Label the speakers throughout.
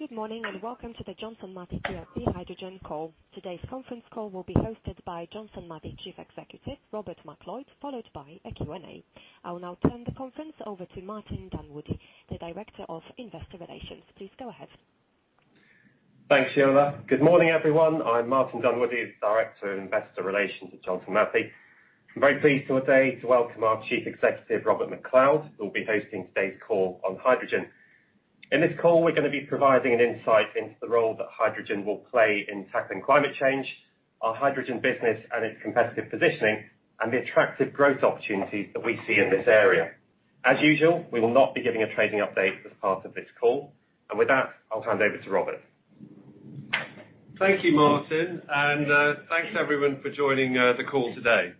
Speaker 1: Good morning, and welcome to the Johnson Matthey QFE Hydrogen Call. Today's conference call will be hosted by Johnson Matthey Chief Executive, Robert MacLeod, followed by a Q&A. I will now turn the conference over to Martin Dunwoodie, the Director of Investor Relations. Please go ahead.
Speaker 2: Thanks, Sheila. Good morning, everyone. I'm Martin Dunwoodie, Director of Investor Relations at Johnson Matthey. I'm very pleased today to welcome our Chief Executive, Robert MacLeod, who will be hosting today's call on hydrogen. In this call, we're going to be providing an insight into the role that hydrogen will play in tackling climate change, our hydrogen business, and its competitive positioning, and the attractive growth opportunities that we see in this area. As usual, we will not be giving a trading update as part of this call. With that, I'll hand over to Robert.
Speaker 3: Thank you, Martin. Thanks everyone for joining the call today.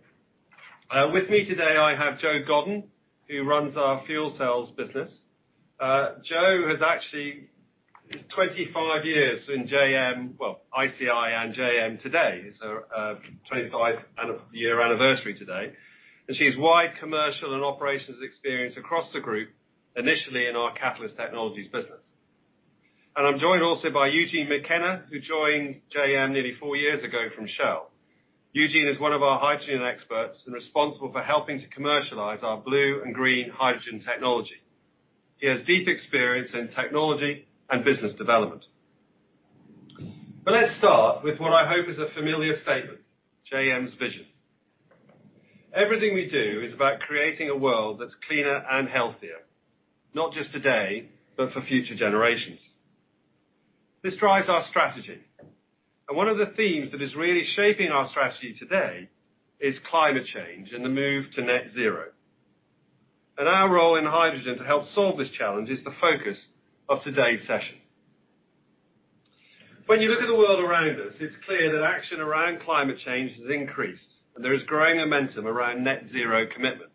Speaker 3: With me today, I have Jo Godden, who runs our Fuel Cells business. Jo has actually 25 years in J.M. Well, ICI and J.M. today. 25-year anniversary today. She has wide commercial and operations experience across the group, initially in our Catalyst Technologies business. I'm joined also by Eugene McKenna, who joined J.M. nearly four years ago from Shell. Eugene is one of our hydrogen experts and responsible for helping to commercialize our blue and green hydrogen technology. He has deep experience in technology and business development. Let's start with what I hope is a familiar statement, J.M.'s vision. Everything we do is about creating a world that's cleaner and healthier, not just today, but for future generations. This drives our strategy. One of the themes that is really shaping our strategy today is climate change and the move to net zero. Our role in hydrogen to help solve this challenge is the focus of today's session. When you look at the world around us, it's clear that action around climate change has increased, and there is growing momentum around net zero commitments.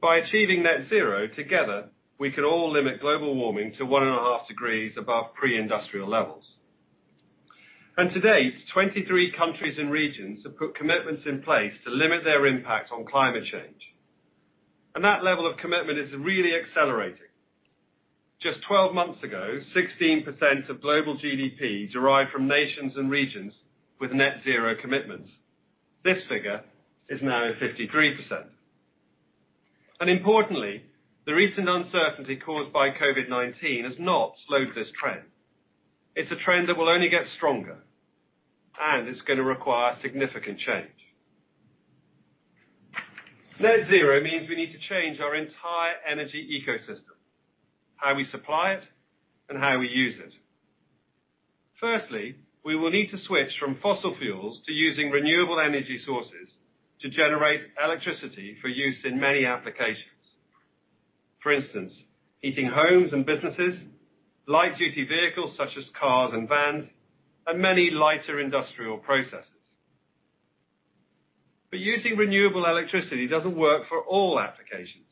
Speaker 3: By achieving net zero, together, we can all limit global warming to one and a half degrees above pre-industrial levels. To date, 23 countries and regions have put commitments in place to limit their impact on climate change. That level of commitment is really accelerating. Just 12 months ago, 16% of global GDP derived from nations and regions with net zero commitments. This figure is now 53%. Importantly, the recent uncertainty caused by COVID-19 has not slowed this trend. It's a trend that will only get stronger, and it's going to require significant change. Net Zero means we need to change our entire energy ecosystem, how we supply it and how we use it. Firstly, we will need to switch from fossil fuels to using renewable energy sources to generate electricity for use in many applications. For instance, heating homes and businesses, light duty vehicles such as cars and vans, and many lighter industrial processes. Using renewable electricity doesn't work for all applications,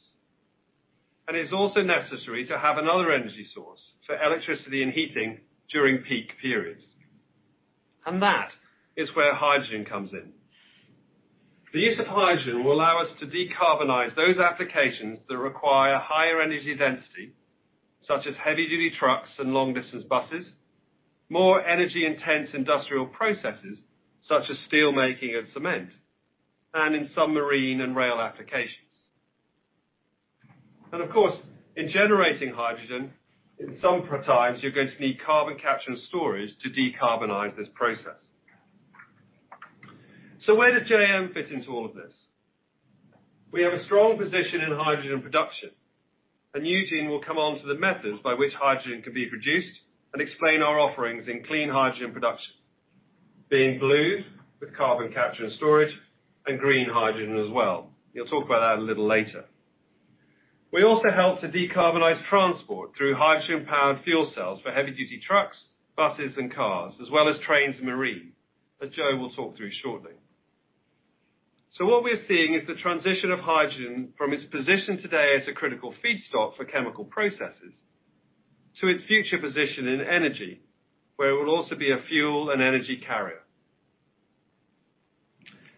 Speaker 3: and it's also necessary to have another energy source for electricity and heating during peak periods. That is where hydrogen comes in. The use of hydrogen will allow us to decarbonize those applications that require higher energy density, such as heavy duty trucks and long distance buses, more energy intense industrial processes such as steel making and cement, and in some marine and rail applications. Of course, in generating hydrogen, in some times, you're going to need carbon capture and storage to decarbonize this process. Where does JM fit into all of this? We have a strong position in hydrogen production, and Eugene will come on to the methods by which hydrogen can be produced and explain our offerings in clean hydrogen production, being blue with carbon capture and storage, and green hydrogen as well. He'll talk about that a little later. We also help to decarbonize transport through hydrogen-powered fuel cells for heavy duty trucks, buses and cars, as well as trains and marine, as Jo will talk through shortly. What we're seeing is the transition of hydrogen from its position today as a critical feedstock for chemical processes to its future position in energy, where it will also be a fuel and energy carrier.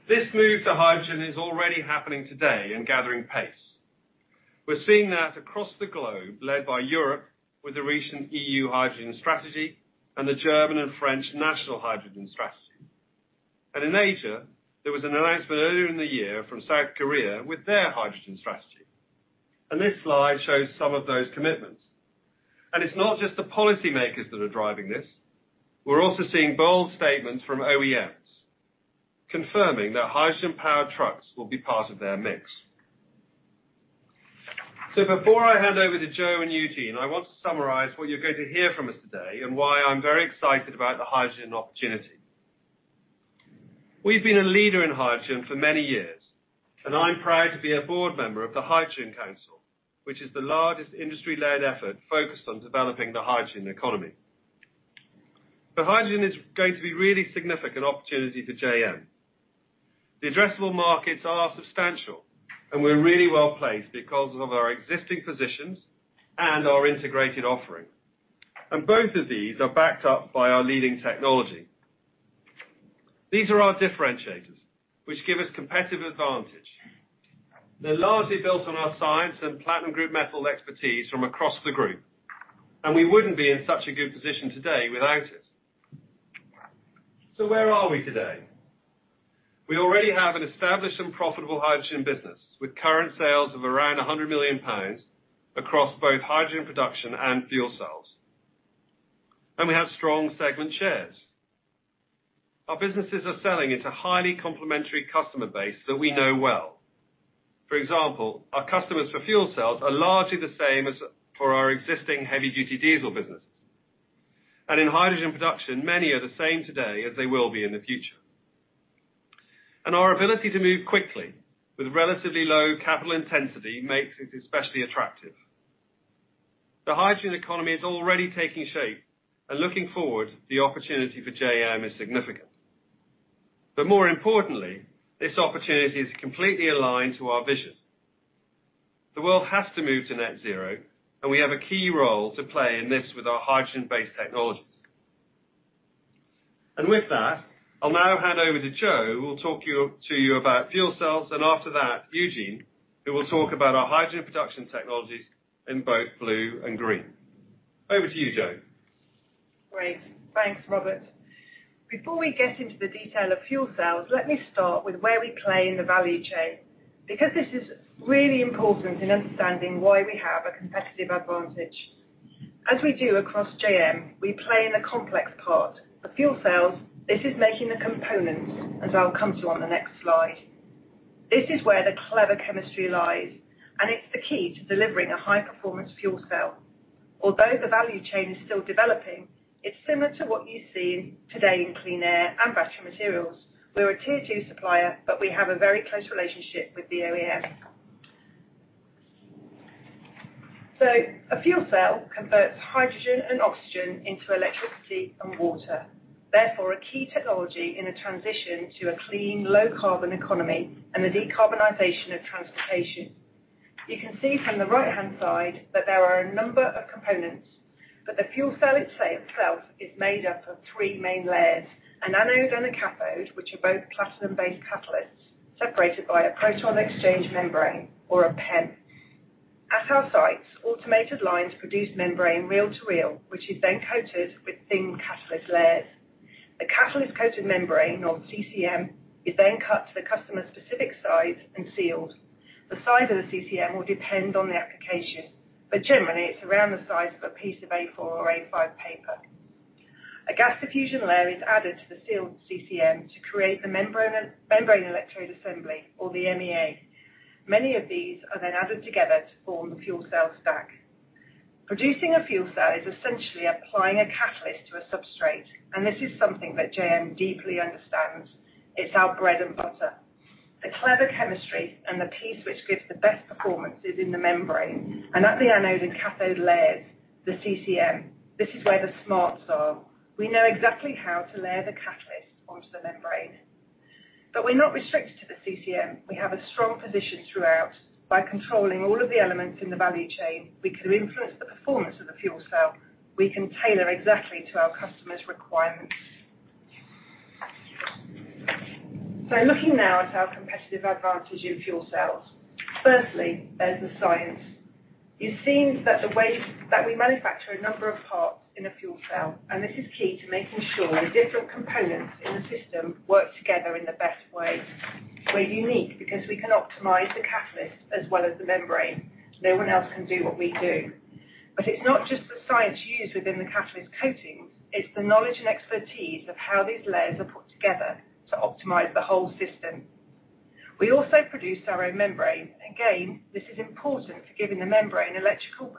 Speaker 3: This move to hydrogen is already happening today and gathering pace. We're seeing that across the globe, led by Europe with the recent EU Hydrogen Strategy and the German and French National Hydrogen Strategy. In Asia, there was an announcement earlier in the year from South Korea with their Hydrogen Strategy. This slide shows some of those commitments. It's not just the policymakers that are driving this. We're also seeing bold statements from OEMs confirming that hydrogen powered trucks will be part of their mix. Before I hand over to Jo and Eugene, I want to summarize what you're going to hear from us today and why I'm very excited about the hydrogen opportunity. We've been a leader in hydrogen for many years, and I'm proud to be a board member of the Hydrogen Council, which is the largest industry-led effort focused on developing the hydrogen economy. Hydrogen is going to be really significant opportunity to JM. The addressable markets are substantial, and we're really well-placed because of our existing positions and our integrated offering. Both of these are backed up by our leading technology. These are our differentiators, which give us competitive advantage. They're largely built on our science and platinum group metal expertise from across the group, and we wouldn't be in such a good position today without it. Where are we today? We already have an established and profitable hydrogen business, with current sales of around 100 million pounds across both hydrogen production and fuel cells. We have strong segment shares. Our businesses are selling into highly complementary customer base that we know well. For example, our customers for fuel cells are largely the same as for our existing heavy duty diesel business. In hydrogen production, many are the same today as they will be in the future. Our ability to move quickly with relatively low capital intensity makes it especially attractive. The hydrogen economy is already taking shape, and looking forward, the opportunity for JM is significant. More importantly, this opportunity is completely aligned to our vision. The world has to move to net zero, and we have a key role to play in this with our hydrogen-based technologies. With that, I'll now hand over to Jo, who will talk to you about fuel cells, and after that, Eugene, who will talk about our hydrogen production technologies in both blue and green. Over to you, Jo.
Speaker 4: Great. Thanks, Robert. Before we get into the detail of fuel cells, let me start with where we play in the value chain, because this is really important in understanding why we have a competitive advantage. As we do across JM, we play in the complex part. For fuel cells, this is making the components, as I'll come to on the next slide. This is where the clever chemistry lies, and it's the key to delivering a high performance fuel cell. Although the value chain is still developing, it's similar to what you see today in clean air and battery materials. We're a Tier 2 supplier, but we have a very close relationship with the OEM. A fuel cell converts hydrogen and oxygen into electricity and water, therefore, a key technology in the transition to a clean, low carbon economy and the decarbonization of transportation. You can see from the right-hand side that there are a number of components, but the fuel cell itself is made up of three main layers, an anode and a cathode, which are both platinum-based catalysts, separated by a proton exchange membrane or a PEM. At our sites, automated lines produce membrane reel-to-reel, which is then coated with thin catalyst layers. The catalyst-coated membrane or CCM is then cut to the customer's specific size and sealed. The size of the CCM will depend on the application, but generally, it's around the size of a piece of A4 or A5 paper. A gas diffusion layer is added to the sealed CCM to create the membrane electrode assembly or the MEA. Many of these are then added together to form the fuel cell stack. Producing a fuel cell is essentially applying a catalyst to a substrate, and this is something that JM deeply understands. It's our bread and butter. The clever chemistry and the piece which gives the best performance is in the membrane, and at the anode and cathode layers, the CCM. This is where the smarts are. We know exactly how to layer the catalyst onto the membrane. We're not restricted to the CCM. We have a strong position throughout. By controlling all of the elements in the value chain, we can influence the performance of the fuel cell. We can tailor exactly to our customers' requirements. Looking now at our competitive advantage in fuel cells. Firstly, there's the science. You've seen that we manufacture a number of parts in a fuel cell, this is key to making sure the different components in the system work together in the best way. We're unique because we can optimize the catalyst as well as the membrane. No one else can do what we do. It's not just the science used within the catalyst coatings, it's the knowledge and expertise of how these layers are put together to optimize the whole system. We also produce our own membrane. Again, this is important for giving the membrane electrical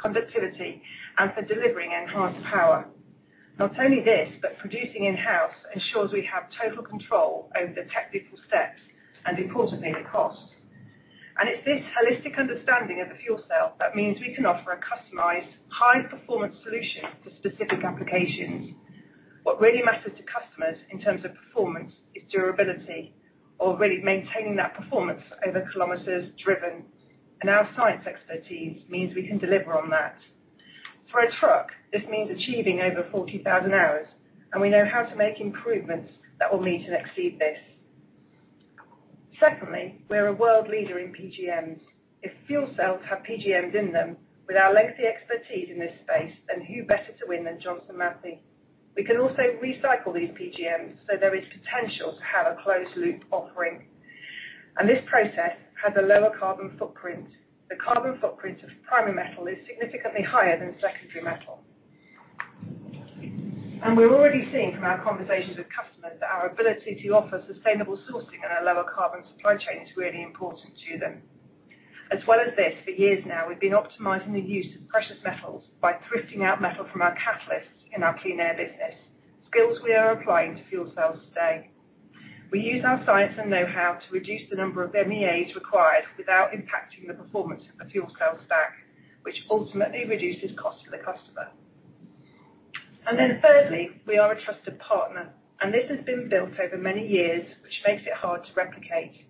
Speaker 4: conductivity and for delivering enhanced power. Not only this, producing in-house ensures we have total control over the technical steps and importantly, the cost. It's this holistic understanding of the fuel cell that means we can offer a customized high performance solution for specific applications. What really matters to customers in terms of performance is durability or really maintaining that performance over kilometers driven, and our science expertise means we can deliver on that. For a truck, this means achieving over 40,000 hours, and we know how to make improvements that will meet and exceed this. Secondly, we are a world leader in PGMs. If fuel cells have PGMs in them, with our lengthy expertise in this space, then who better to win than Johnson Matthey? We can also recycle these PGMs, so there is potential to have a closed loop offering. This process has a lower carbon footprint. The carbon footprint of primary metal is significantly higher than secondary metal. We're already seeing from our conversations with customers that our ability to offer sustainable sourcing and a lower carbon supply chain is really important to them. For years now, we've been optimizing the use of precious metals by thrifting out metal from our catalysts in our Clean Air business. Skills we are applying to fuel cells today. We use our science and know-how to reduce the number of MEAs required without impacting the performance of the fuel cell stack, which ultimately reduces cost to the customer. Thirdly, we are a trusted partner, and this has been built over many years, which makes it hard to replicate.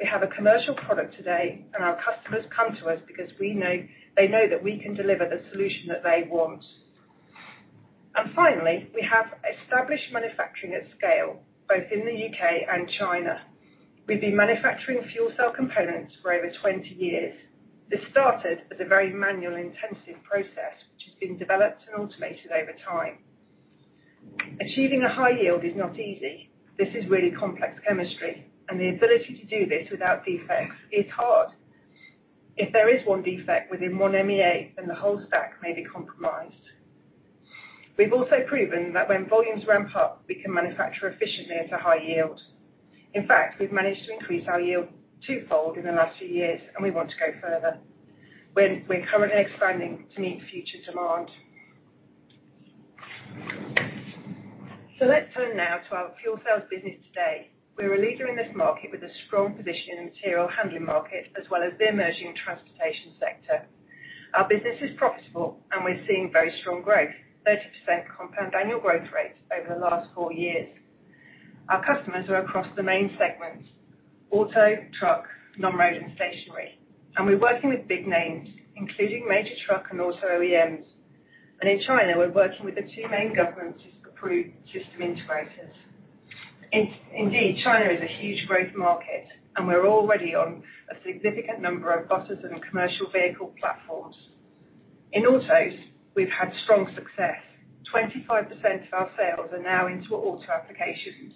Speaker 4: We have a commercial product today, our customers come to us because they know that we can deliver the solution that they want. Finally, we have established manufacturing at scale, both in the U.K. and China. We've been manufacturing fuel cell components for over 20 years. This started as a very manual-intensive process, which has been developed and automated over time. Achieving a high yield is not easy. This is really complex chemistry, and the ability to do this without defects is hard. If there is one defect within one MEA, then the whole stack may be compromised. We've also proven that when volumes ramp up, we can manufacture efficiently at a high yield. In fact, we've managed to increase our yield twofold in the last few years, and we want to go further. We're currently expanding to meet future demand. Let's turn now to our Fuel Cells business today. We're a leader in this market with a strong position in the material handling market as well as the emerging transportation sector. Our business is profitable, and we're seeing very strong growth, 30% compound annual growth rate over the last four years. Our customers are across the main segments: auto, truck, non-road, and stationary. We're working with big names, including major truck and auto OEMs. In China, we're working with the two main government-approved system integrators. Indeed, China is a huge growth market, and we're already on a significant number of buses and commercial vehicle platforms. In autos, we've had strong success. 25% of our sales are now into auto applications.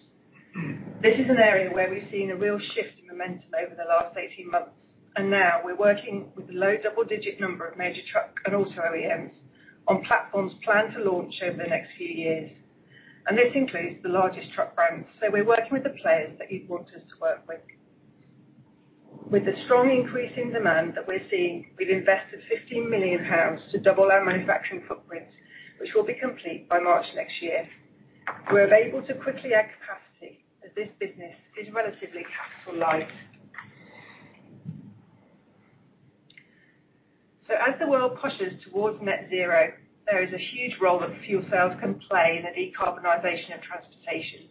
Speaker 4: This is an area where we've seen a real shift in momentum over the last 18 months, and now we're working with a low double-digit number of major truck and auto OEMs on platforms planned to launch over the next few years. This includes the largest truck brands. We're working with the players that you'd want us to work with. With the strong increase in demand that we're seeing, we've invested 15 million pounds to double our manufacturing footprint, which will be complete by March next year. We're able to quickly add capacity as this business is relatively capital light. As the world pushes towards net zero, there is a huge role that fuel cells can play in the decarbonization of transportation,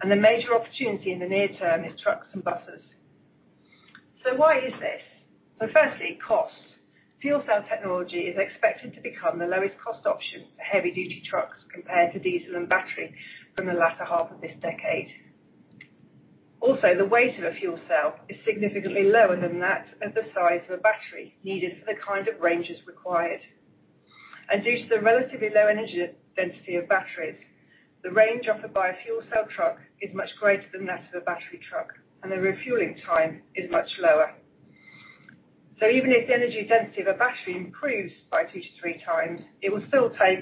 Speaker 4: and the major opportunity in the near term is trucks and buses. Why is this? Firstly, cost. Fuel cell technology is expected to become the lowest cost option for heavy-duty trucks compared to diesel and battery from the latter half of this decade. The weight of a fuel cell is significantly lower than that of the size of a battery needed for the kind of ranges required. Due to the relatively low energy density of batteries, the range offered by a fuel cell truck is much greater than that of a battery truck, and the refueling time is much lower. Even if the energy density of a battery improves by two to 3x, it will still take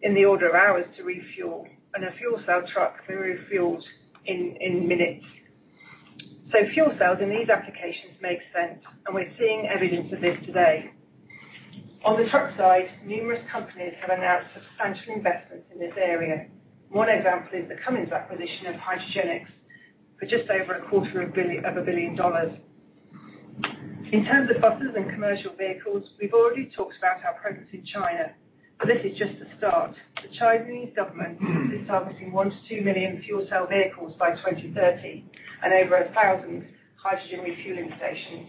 Speaker 4: in the order of hours to refuel, and a fuel cell truck can refuel in minutes. Fuel cells in these applications make sense, and we're seeing evidence of this today. On the truck side, numerous companies have announced substantial investments in this area. One example is the Cummins acquisition of Hydrogenics for just over a quarter of a billion dollars. In terms of buses and commercial vehicles, we've already talked about our presence in China, but this is just the start. The Chinese government is targeting one to two million fuel cell vehicles by 2030 and over 1,000 hydrogen refueling stations.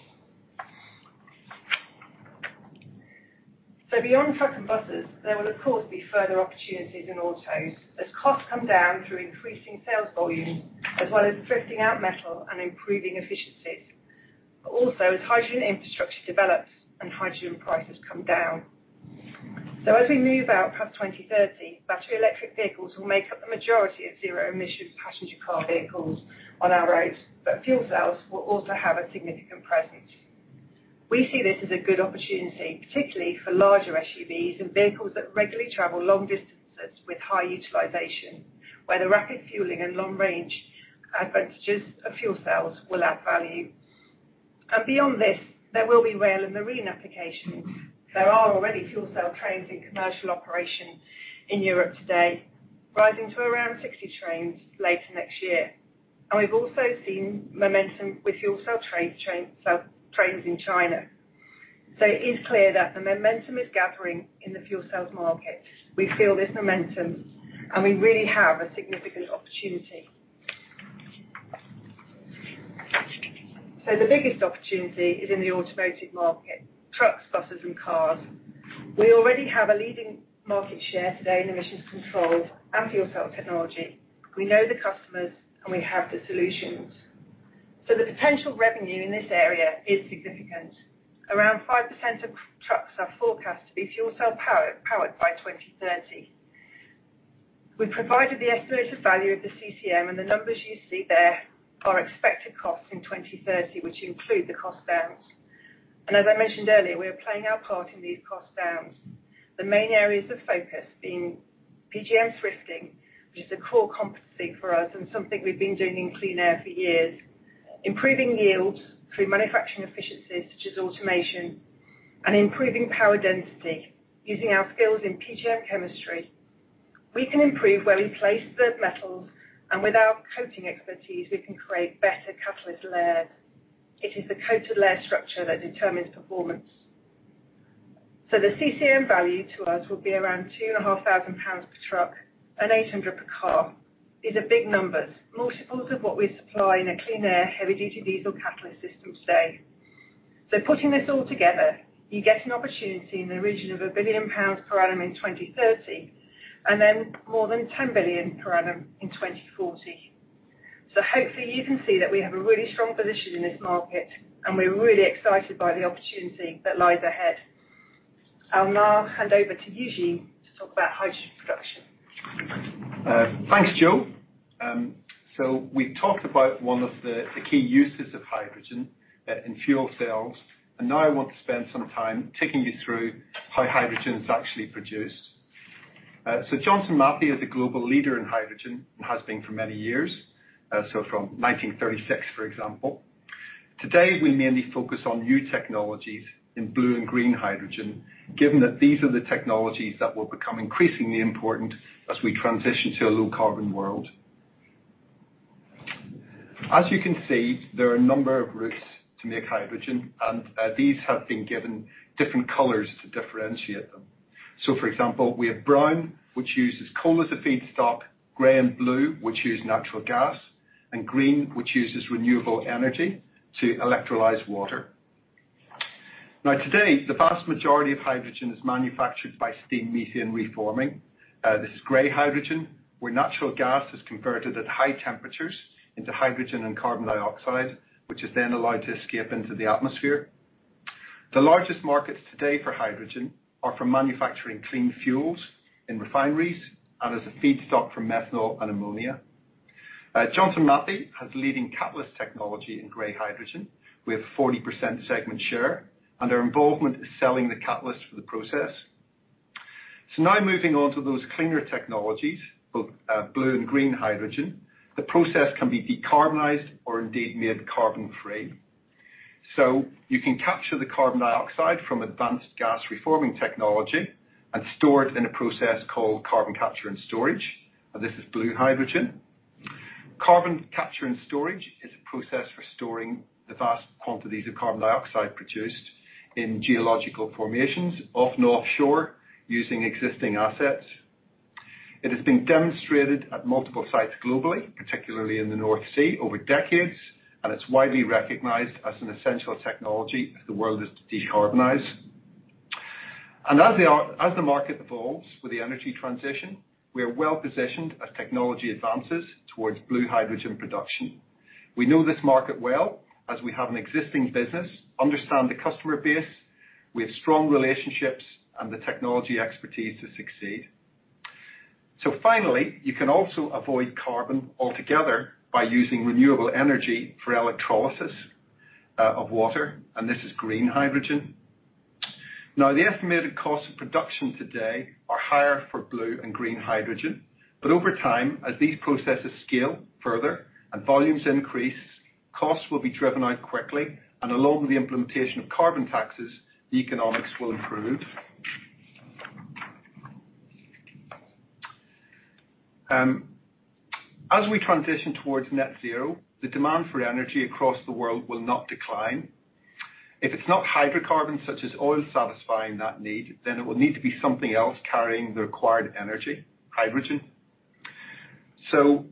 Speaker 4: Beyond trucks and buses, there will of course, be further opportunities in autos as costs come down through increasing sales volume as well as thrifting out metal and improving efficiencies, but also as hydrogen infrastructure develops and hydrogen prices come down. As we move out past 2030, battery electric vehicles will make up the majority of zero-emission passenger car vehicles on our roads, but fuel cells will also have a significant presence. We see this as a good opportunity, particularly for larger SUVs and vehicles that regularly travel long distances with high utilization, where the rapid fueling and long-range advantages of fuel cells will add value. Beyond this, there will be rail and marine applications. There are already fuel cell trains in commercial operation in Europe today, rising to around 60 trains later next year. We've also seen momentum with fuel cell trains in China. It is clear that the momentum is gathering in the fuel cells market. We feel this momentum, and we really have a significant opportunity. The biggest opportunity is in the automotive market: trucks, buses, and cars. We already have a leading market share today in emissions control and fuel cell technology. We know the customers, and we have the solutions. The potential revenue in this area is significant. Around 5% of trucks are forecast to be fuel cell powered by 2030. We provided the estimated value of the CCM, and the numbers you see there are expected costs in 2030, which include the cost downs. As I mentioned earlier, we are playing our part in these cost downs. The main areas of focus being PGM thrifting, which is a core competency for us and something we've been doing in clean air for years, improving yield through manufacturing efficiencies such as automation, and improving power density using our skills in PGM chemistry. We can improve where we place the metals, and with our coating expertise, we can create better catalyst layers. It is the coated layer structure that determines performance. The CCM value to us will be around 2,500 pounds per truck and 800 per car. These are big numbers, multiples of what we supply in a clean air, heavy duty diesel catalyst system today. Putting this all together, you get an opportunity in the region of 1 billion pounds per annum in 2030, and then more than 10 billion per annum in 2040. Hopefully you can see that we have a really strong position in this market, and we're really excited by the opportunity that lies ahead. I'll now hand over to Eugene to talk about hydrogen production.
Speaker 5: Thanks, Jo. We talked about one of the key uses of hydrogen in fuel cells, and now I want to spend some time taking you through how hydrogen is actually produced. Johnson Matthey is a global leader in hydrogen and has been for many years. From 1936, for example. Today, we mainly focus on new technologies in blue hydrogen and green hydrogen, given that these are the technologies that will become increasingly important as we transition to a low-carbon world. As you can see, there are a number of routes to make hydrogen, and these have been given different colors to differentiate them. For example, we have brown, which uses coal as a feedstock, gray and blue, which use natural gas, and green, which uses renewable energy to electrolyze water. Today, the vast majority of hydrogen is manufactured by steam methane reforming. This is gray hydrogen, where natural gas is converted at high temperatures into hydrogen and carbon dioxide, which is allowed to escape into the atmosphere. The largest markets today for hydrogen are for manufacturing clean fuels in refineries and as a feedstock for methanol and ammonia. Johnson Matthey has leading catalyst technology in gray hydrogen, with 40% segment share, our involvement is selling the catalyst for the process. Now moving on to those cleaner technologies, both blue and green hydrogen. The process can be decarbonized or indeed made carbon-free. You can capture the carbon dioxide from advanced gas reforming technology and store it in a process called carbon capture and storage, this is blue hydrogen. Carbon capture and storage is a process for storing the vast quantities of carbon dioxide produced in geological formations off and offshore using existing assets. It has been demonstrated at multiple sites globally, particularly in the North Sea, over decades, and it's widely recognized as an essential technology as the world is decarbonized. As the market evolves with the energy transition, we are well-positioned as technology advances towards blue hydrogen production. We know this market well as we have an existing business, understand the customer base. We have strong relationships and the technology expertise to succeed. Finally, you can also avoid carbon altogether by using renewable energy for electrolysis of water, and this is green hydrogen. Now, the estimated cost of production today are higher for blue and green hydrogen, but over time, as these processes scale further and volumes increase, costs will be driven out quickly, and along with the implementation of carbon taxes, the economics will improve. As we transition towards net zero, the demand for energy across the world will not decline. If it's not hydrocarbons such as oil satisfying that need, then it will need to be something else carrying the required energy, hydrogen.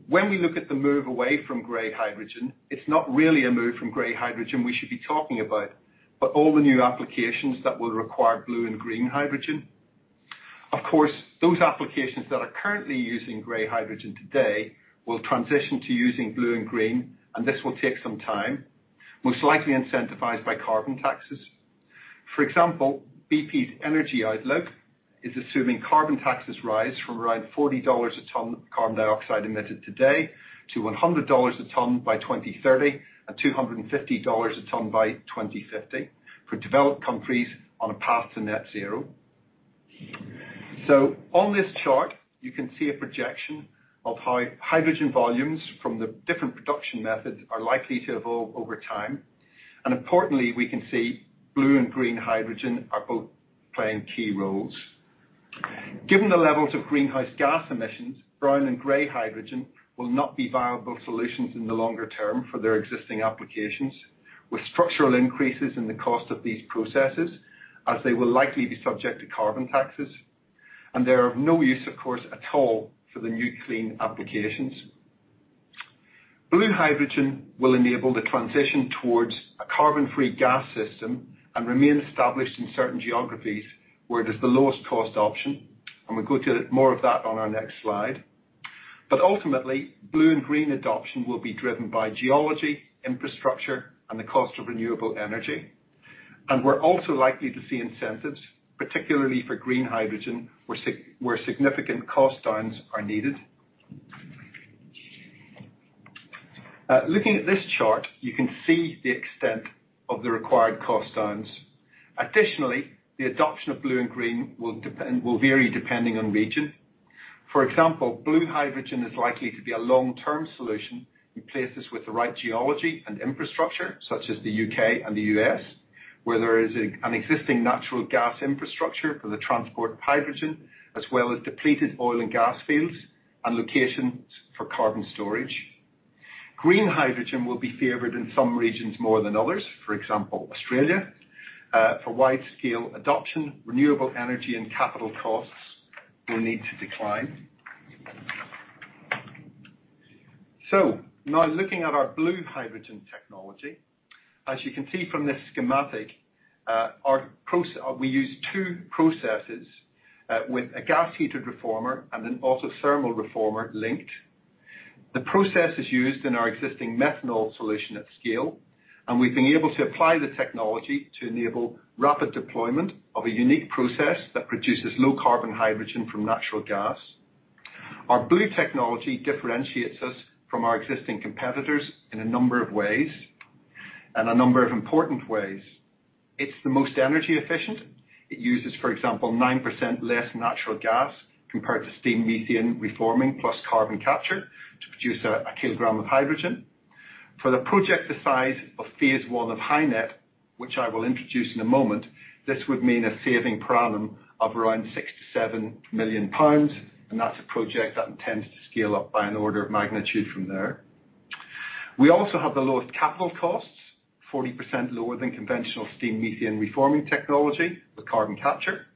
Speaker 5: When we look at the move away from gray hydrogen, it's not really a move from gray hydrogen we should be talking about, but all the new applications that will require blue and green hydrogen. Of course, those applications that are currently using gray hydrogen today will transition to using blue and green, and this will take some time, most likely incentivized by carbon taxes. For example, BP's energy outlook is assuming carbon taxes rise from around $40 a ton of carbon dioxide emitted today to $100 a ton by 2030 and $250 a ton by 2050 for developed countries on a path to net zero. On this chart, you can see a projection of how hydrogen volumes from the different production methods are likely to evolve over time. Importantly, we can see blue and green hydrogen are both playing key roles. Given the levels of greenhouse gas emissions, brown and gray hydrogen will not be viable solutions in the longer-term for their existing applications, with structural increases in the cost of these processes as they will likely be subject to carbon taxes. They are of no use, of course, at all for the new clean applications. Blue hydrogen will enable the transition towards a carbon-free gas system and remain established in certain geographies where it is the lowest cost option, and we will go to more of that on our next slide. Ultimately, blue and green adoption will be driven by geology, infrastructure, and the cost of renewable energy. We're also likely to see incentives, particularly for green hydrogen, where significant cost downs are needed. Looking at this chart, you can see the extent of the required cost downs. Additionally, the adoption of blue and green will vary depending on region. For example, blue hydrogen is likely to be a long-term solution in places with the right geology and infrastructure, such as the U.K. and the U.S., where there is an existing natural gas infrastructure for the transport of hydrogen, as well as depleted oil and gas fields and locations for carbon storage. Green hydrogen will be favored in some regions more than others, for example, Australia. For wide-scale adoption, renewable energy and capital costs will need to decline. Now looking at our blue hydrogen technology, as you can see from this schematic, we use two processes with a Gas Heated Reformer and an autothermal reformer linked. The process is used in our existing methanol solution at scale, and we've been able to apply the technology to enable rapid deployment of a unique process that produces low carbon hydrogen from natural gas. Our blue technology differentiates us from our existing competitors in a number of ways, and a number of important ways. It's the most energy efficient. It uses, for example, 9% less natural gas compared to steam methane reforming plus carbon capture to produce a kilogram of hydrogen. For the project the size of phase I of HyNet, which I will introduce in a moment, this would mean a saving per annum of around 67 million pounds, and that's a project that intends to scale up by an order of magnitude from there. We also have the lowest capital costs, 40% lower than conventional steam methane reforming technology with carbon capture.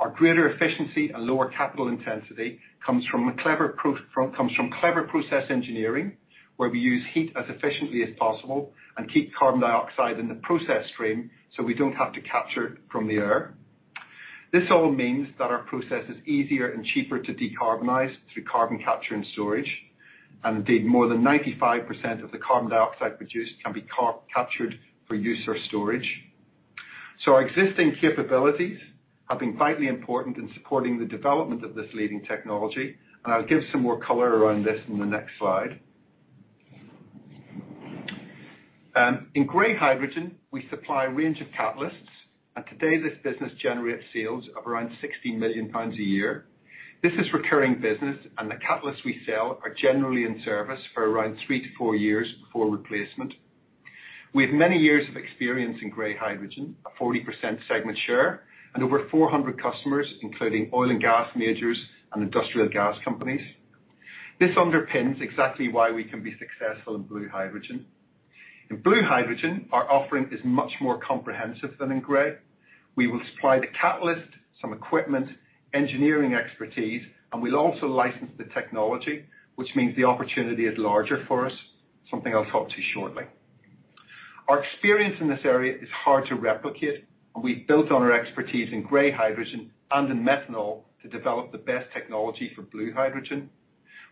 Speaker 5: Our greater efficiency and lower capital intensity comes from clever process engineering, where we use heat as efficiently as possible and keep carbon dioxide in the process stream so we don't have to capture it from the air. This all means that our process is easier and cheaper to decarbonize through carbon capture and storage. Indeed, more than 95% of the carbon dioxide produced can be captured for use or storage. Our existing capabilities have been vitally important in supporting the development of this leading technology, and I'll give some more color around this in the next slide. In gray hydrogen, we supply a range of catalysts, and today this business generates sales of around 60 million pounds a year. This is recurring business, and the catalysts we sell are generally in service for around three to four years before replacement. We have many years of experience in gray hydrogen, a 40% segment share, and over 400 customers, including oil and gas majors and industrial gas companies. This underpins exactly why we can be successful in blue hydrogen. In blue hydrogen, our offering is much more comprehensive than in gray. We will supply the catalyst, some equipment, engineering expertise, and we'll also license the technology, which means the opportunity is larger for us, something I'll talk to shortly. Our experience in this area is hard to replicate, and we've built on our expertise in gray hydrogen and in methanol to develop the best technology for blue hydrogen.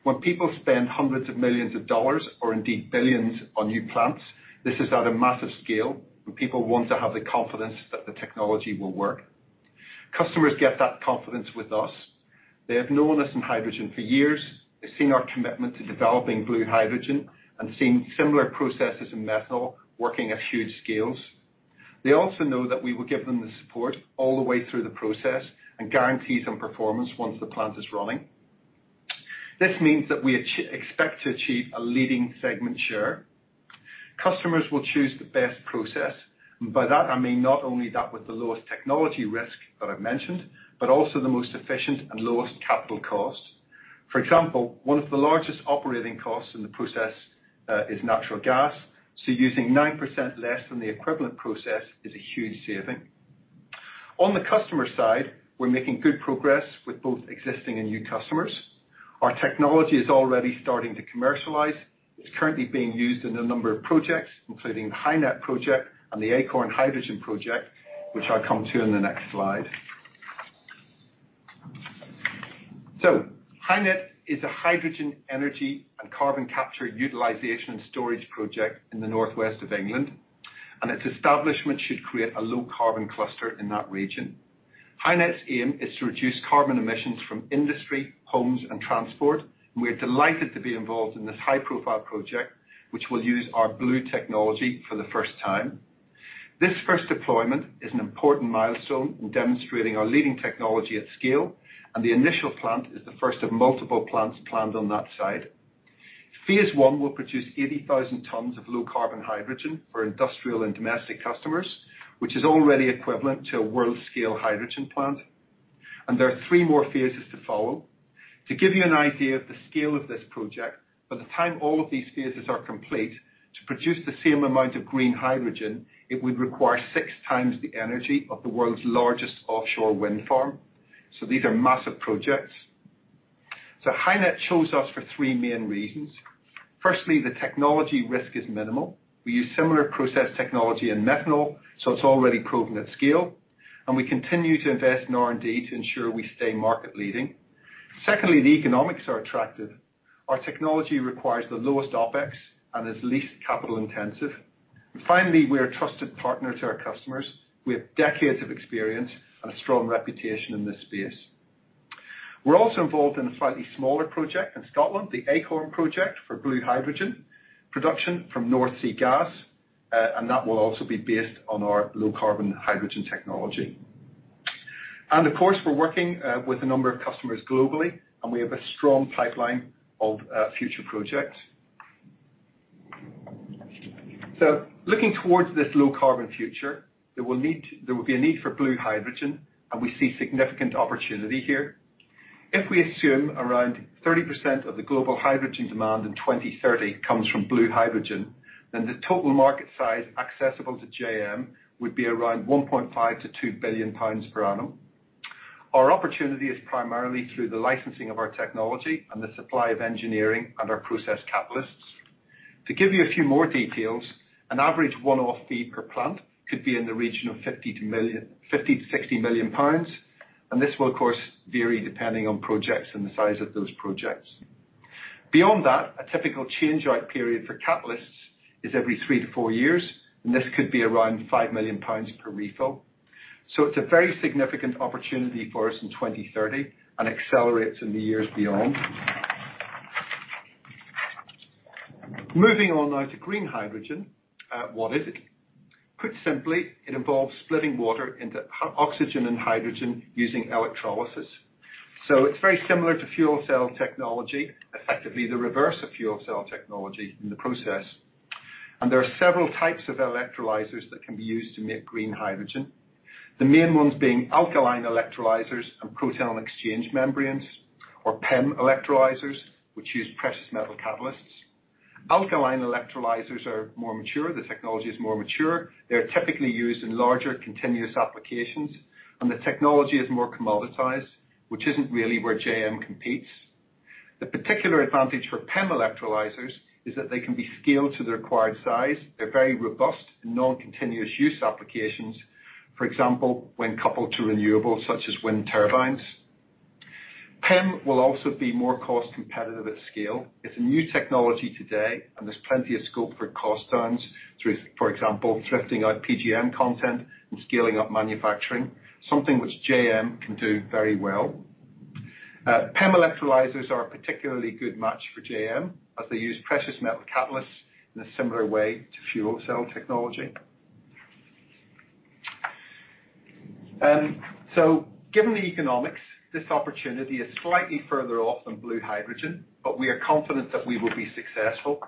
Speaker 5: When people spend hundreds of millions of dollars, or indeed billions, on new plants, this is at a massive scale, and people want to have the confidence that the technology will work. Customers get that confidence with us. They have known us in hydrogen for years. They've seen our commitment to developing blue hydrogen and seen similar processes in methanol working at huge scales. They also know that we will give them the support all the way through the process and guarantees on performance once the plant is running. This means that we expect to achieve a leading segment share. Customers will choose the best process. By that, I mean not only that with the lowest technology risk that I've mentioned, but also the most efficient and lowest capital cost. For example, one of the largest operating costs in the process, is natural gas, so using 9% less than the equivalent process is a huge saving. On the customer side, we're making good progress with both existing and new customers. Our technology is already starting to commercialize. It's currently being used in a number of projects, including the HyNet project and the Acorn Hydrogen project, which I'll come to in the next slide. HyNet is a hydrogen energy and Carbon Capture, Utilization and Storage project in the northwest of England, and its establishment should create a low carbon cluster in that region. HyNet's aim is to reduce carbon emissions from industry, homes, and transport, and we are delighted to be involved in this high-profile project, which will use our blue technology for the first time. This first deployment is an important milestone in demonstrating our leading technology at scale, and the initial plant is the first of multiple plants planned on that site. Phase I will produce 80,000 tons of low carbon hydrogen for industrial and domestic customers, which is already equivalent to a world-scale hydrogen plant. There are three more phases to follow. To give you an idea of the scale of this project, by the time all of these phases are complete, to produce the same amount of green hydrogen, it would require 6x the energy of the world's largest offshore wind farm. These are massive projects. HyNet chose us for three main reasons. Firstly, the technology risk is minimal. We use similar process technology in methanol, so it's already proven at scale, and we continue to invest in R&D to ensure we stay market leading. Secondly, the economics are attractive. Our technology requires the lowest OpEx and is least capital intensive. Finally, we are a trusted partner to our customers. We have decades of experience and a strong reputation in this space. We're also involved in a slightly smaller project in Scotland, the Acorn Project, for blue hydrogen production from North Sea gas, and that will also be based on our low carbon hydrogen technology. Of course, we're working with a number of customers globally, and we have a strong pipeline of future projects. Looking towards this low carbon future, there will be a need for blue hydrogen, and we see significant opportunity here. If we assume around 30% of the global hydrogen demand in 2030 comes from blue hydrogen, the total market size accessible to J.M. would be around 1.5 billion-2 billion pounds per annum. Our opportunity is primarily through the licensing of our technology and the supply of engineering and our process catalysts. To give you a few more details, an average one-off fee per plant could be in the region of 50 million-60 million pounds, this will, of course, vary depending on projects and the size of those projects. Beyond that, a typical change-out period for catalysts is every three to four years, this could be around 5 million pounds per refill. It's a very significant opportunity for us in 2030 and accelerates in the years beyond. Moving on now to green hydrogen. What is it? Put simply, it involves splitting water into oxygen and hydrogen using electrolysis. It's very similar to fuel cell technology, effectively the reverse of fuel cell technology in the process. There are several types of electrolyzers that can be used to make green hydrogen. The main ones being Alkaline electrolyzers and proton exchange membranes, or PEM electrolyzers, which use precious metal catalysts. Alkaline electrolyzers are more mature. The technology is more mature. They're typically used in larger continuous applications, and the technology is more commoditized, which isn't really where J.M. competes. The particular advantage for PEM electrolyzers is that they can be scaled to the required size. They're very robust in non-continuous use applications. For example, when coupled to renewables such as wind turbines. PEM will also be more cost-competitive at scale. It's a new technology today, and there's plenty of scope for cost downs through, for example, thrifting out PGM content and scaling up manufacturing, something which J.M. can do very well. PEM electrolyzers are a particularly good match for J.M. as they use precious metal catalysts in a similar way to fuel cell technology. Given the economics, this opportunity is slightly further off than blue hydrogen, but we are confident that we will be successful.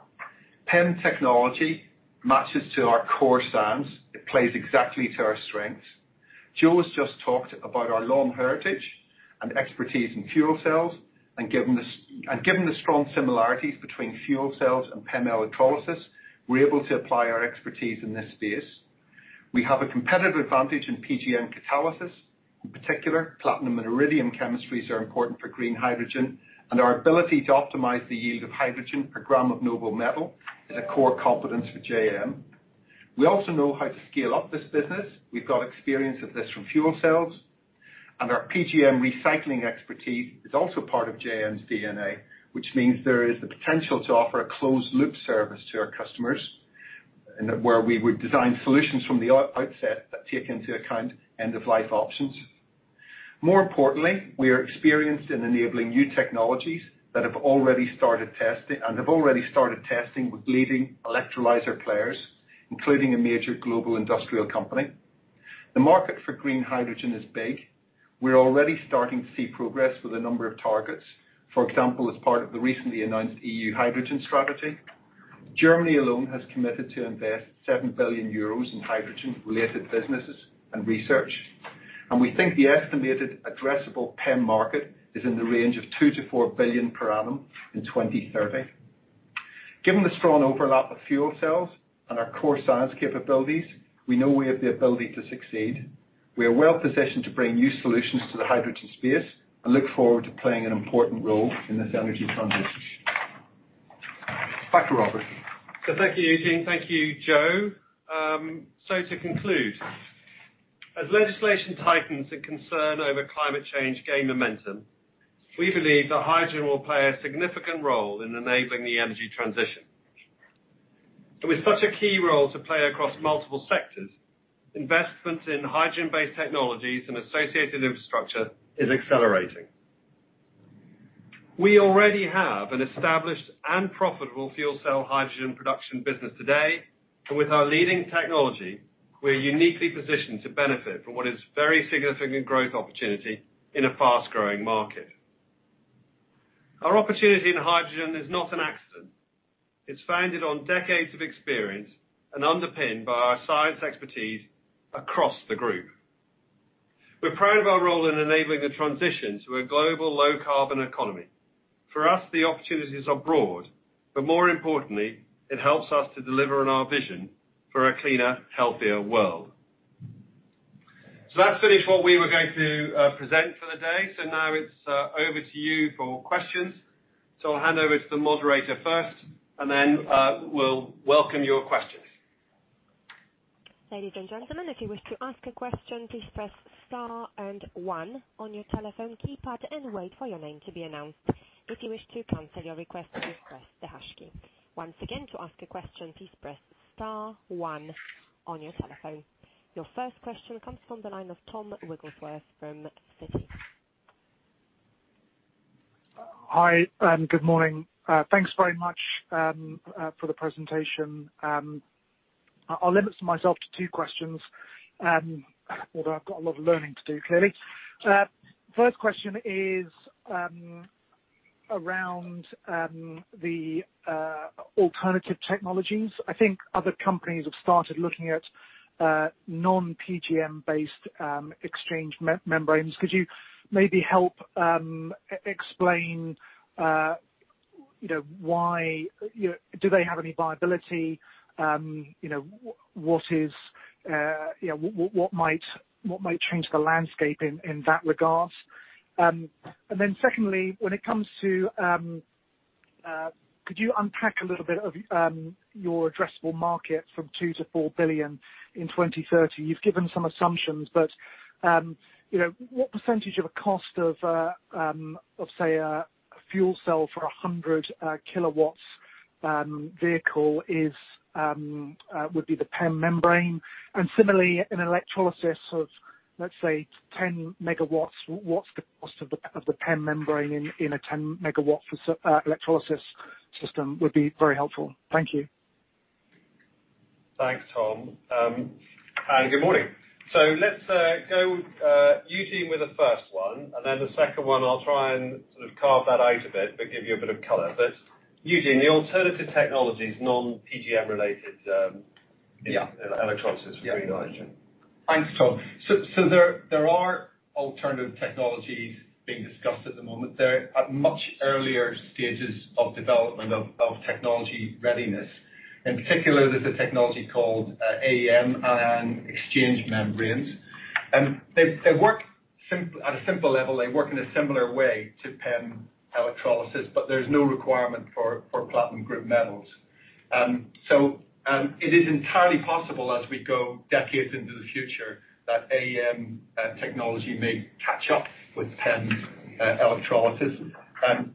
Speaker 5: PEM technology matches to our core science. It plays exactly to our strengths. Jo has just talked about our long heritage and expertise in fuel cells, and given the strong similarities between fuel cells and PEM electrolysis, we're able to apply our expertise in this space. We have a competitive advantage in PGM catalysis. In particular, platinum and iridium chemistries are important for green hydrogen, and our ability to optimize the yield of hydrogen per gram of noble metal is a core competence for J.M. We also know how to scale up this business. We've got experience of this from fuel cells, and our PGM recycling expertise is also part of J.M.'s DNA, which means there is the potential to offer a closed-loop service to our customers, where we would design solutions from the outset that take into account end-of-life options. More importantly, we are experienced in enabling new technologies and have already started testing with leading electrolyzer players, including a major global industrial company. The market for green hydrogen is big. We are already starting to see progress with a number of targets. For example, as part of the recently announced EU hydrogen Strategy, Germany alone has committed to invest 7 billion euros in hydrogen-related businesses and research. We think the estimated addressable PEM market is in the range of 2 billion-4 billion per annum in 2030. Given the strong overlap of fuel cells and our core science capabilities, we know we have the ability to succeed. We are well positioned to bring new solutions to the hydrogen space and look forward to playing an important role in this energy transition. Back to Robert.
Speaker 3: Thank you, Eugene. Thank you, Joe. To conclude, as legislation tightens and concern over climate change gain momentum, we believe that hydrogen will play a significant role in enabling the energy transition. With such a key role to play across multiple sectors, investment in hydrogen-based technologies and associated infrastructure is accelerating. We already have an established and profitable fuel cell hydrogen production business today. With our leading technology, we are uniquely positioned to benefit from what is a very significant growth opportunity in a fast-growing market. Our opportunity in hydrogen is not an accident. It's founded on decades of experience and underpinned by our science expertise across the group. We're proud of our role in enabling the transition to a global low-carbon economy. For us, the opportunities are broad, but more importantly, it helps us to deliver on our vision for a cleaner, healthier world. That finishes what we were going to present for the day. Now it's over to you for questions. I'll hand over to the moderator first, and then we'll welcome your questions.
Speaker 1: Ladies and gentlemen if you wish to ask a question please press star and one on your telephone keypad and wait for your name to be announced. If you wish reconsider request to please press the hash key. Once again to ask a question please press star one on your telephone. Your first question comes from the line of Tom Wrigglesworth from Citi.
Speaker 6: Hi, good morning. Thanks very much for the presentation. I'll limit myself to two questions, although I've got a lot of learning to do, clearly. First question is around the alternative technologies. I think other companies have started looking at non-PGM-based exchange membranes. Could you maybe help explain do they have any viability? What might change the landscape in that regard? Secondly, could you unpack a little bit of your addressable market from 2 billion-4 billion in 2030? You've given some assumptions, what percentage of a cost of, say, a fuel cell for a 100 kW vehicle would be the PEM membrane? Similarly, an electrolysis of, let's say, 10 MW, what's the cost of the PEM membrane in a 10 MW electrolysis system would be very helpful. Thank you.
Speaker 3: Thanks, Tom, and good morning. Let's go, Eugene, with the first one, and then the second one, I'll try and sort of carve that out a bit, but give you a bit of color. Eugene, the alternative technologies, non-PGM related. Electrolysis for green hydrogen.
Speaker 5: Thanks, Tom. There are alternative technologies being discussed at the moment. They're at much earlier stages of development of technology readiness. In particular, there's a technology called AEM, anion exchange membranes, and at a simple level, they work in a similar way to PEM electrolysis, but there's no requirement for platinum group metals. It is entirely possible as we go decades into the future that AEM technology may catch up with PEM electrolysis.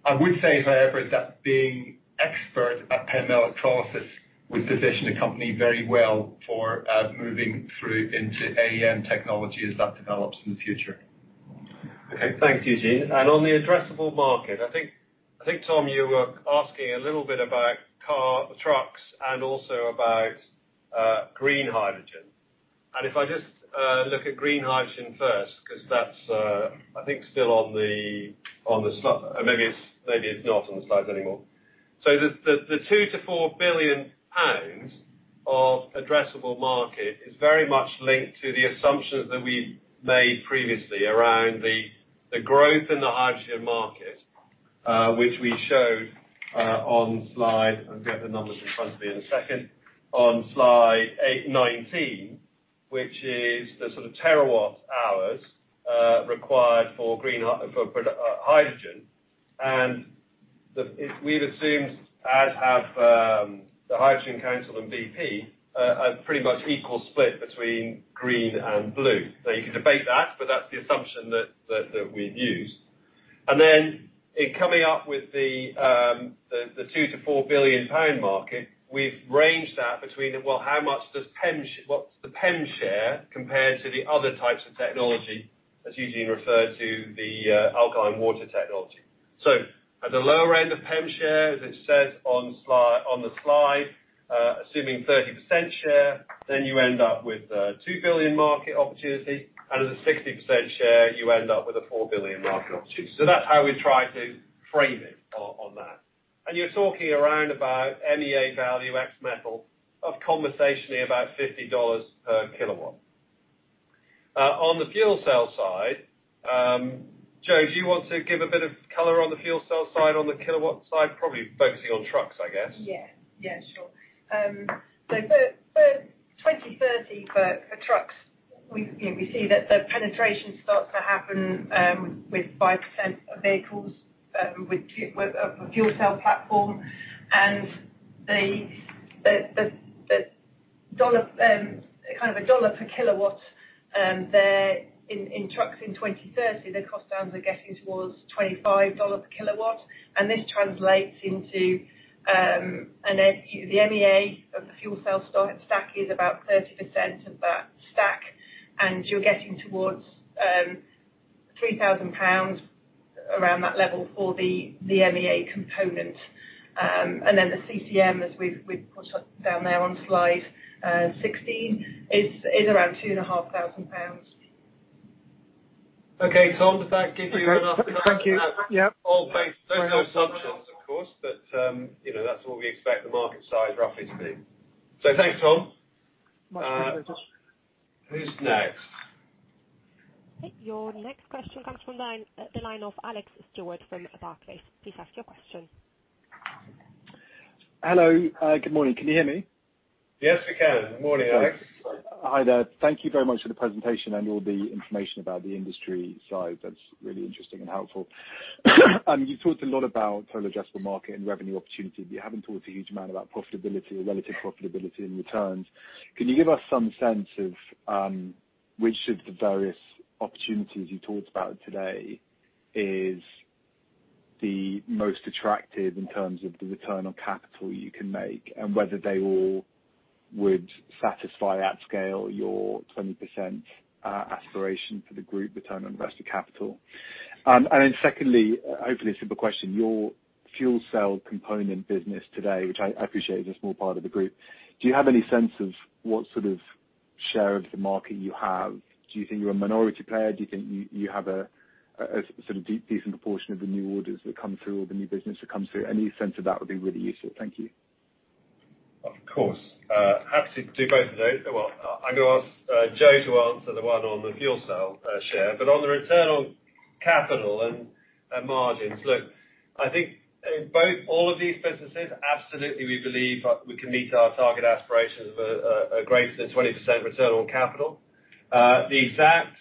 Speaker 5: I would say, however, that being expert at PEM electrolysis would position a company very well for moving through into AEM technology as that develops in the future.
Speaker 3: Thanks, Eugene. On the addressable market, I think, Tom, you were asking a little bit about car, trucks, and also about green hydrogen. If I just look at green hydrogen first, because that's, I think still on the slide. Maybe it's not on the slides anymore. The 2 billion-4 billion pounds of addressable market is very much linked to the assumptions that we made previously around the growth in the hydrogen market, which we showed on slide, I'll get the numbers in front of me in a second, on slide 18, 19, which is the sort of terawatt hours required for hydrogen. We've assumed, as have the Hydrogen Council and BP, a pretty much equal split between green and blue. You can debate that's the assumption that we've used. Coming up with the 2 billion-4 billion pound market, we've ranged that between, well, what's the PEM share compared to the other types of technology, as Eugene referred to the alkaline water technology. At the lower end of PEM share, as it says on the slide, assuming 30% share, you end up with a 2 billion market opportunity, at a 60% share, you end up with a 4 billion market opportunity. That's how we've tried to frame it on that. You're talking around about MEA value ex metal of conversationally about $50 per kilowatt. On the fuel cell side, Jo, do you want to give a bit of color on the fuel cell side, on the kilowatt side? Probably focusing on trucks, I guess.
Speaker 4: Yeah. Sure. For 2030, for trucks, we see that the penetration starts to happen, with 5% of vehicles, with a fuel cell platform and the kind of GBP 1 per kilowatt there in trucks in 2030, the cost downs are getting towards GBP 25 per kilowatt. This translates into the MEA of the fuel cell stack is about 30% of that stack, you're getting towards 3,000 pounds, around that level for the MEA component. The CCM, as we've put down there on slide 16, is around 2,500 pounds.
Speaker 3: Okay, Tom, does that give you enough?
Speaker 6: Thank you. Yep.
Speaker 3: all based on assumptions, of course, but that's what we expect the market size roughly to be. Thanks, Tom.
Speaker 6: Much appreciated.
Speaker 3: Who's next?
Speaker 1: Okay. Your next question comes from the line of Alex Stewart from Barclays. Please ask your question.
Speaker 7: Hello. Good morning. Can you hear me?
Speaker 3: Yes, we can. Good morning, Alex.
Speaker 7: Hi there. Thank you very much for the presentation and all the information about the industry side. That's really interesting and helpful. You talked a lot about total addressable market and revenue opportunity, but you haven't talked a huge amount about profitability or relative profitability and returns. Can you give us some sense of which of the various opportunities you talked about today is the most attractive in terms of the return on capital you can make, and whether they all would satisfy at scale your 20% aspiration for the group return on invested capital? Secondly, hopefully a simple question. Your fuel cell component business today, which I appreciate is a small part of the group. Do you have any sense of what sort of share of the market you have? Do you think you're a minority player? Do you think you have a decent portion of the new orders that come through or the new business that comes through? Any sense of that would be really useful. Thank you.
Speaker 3: Of course. Happy to do both of those. I'm going to ask Jo to answer the one on the fuel cell share. On the return on capital and margins, look, I think in all of these businesses, absolutely, we believe we can meet our target aspirations of a greater than 20% return on capital. The exact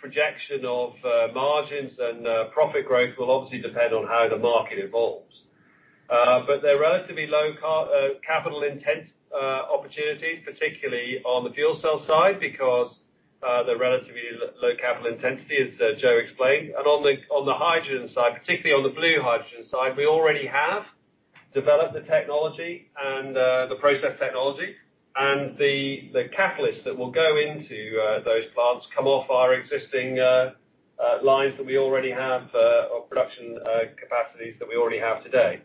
Speaker 3: projection of margins and profit growth will obviously depend on how the market evolves. They're relatively low capital intense opportunities, particularly on the fuel cell side, because they're relatively low capital intensity, as Jo explained. On the hydrogen side, particularly on the blue hydrogen side, we already have developed the technology and the process technology, and the catalysts that will go into those plants come off our existing lines that we already have or production capacities that we already have today.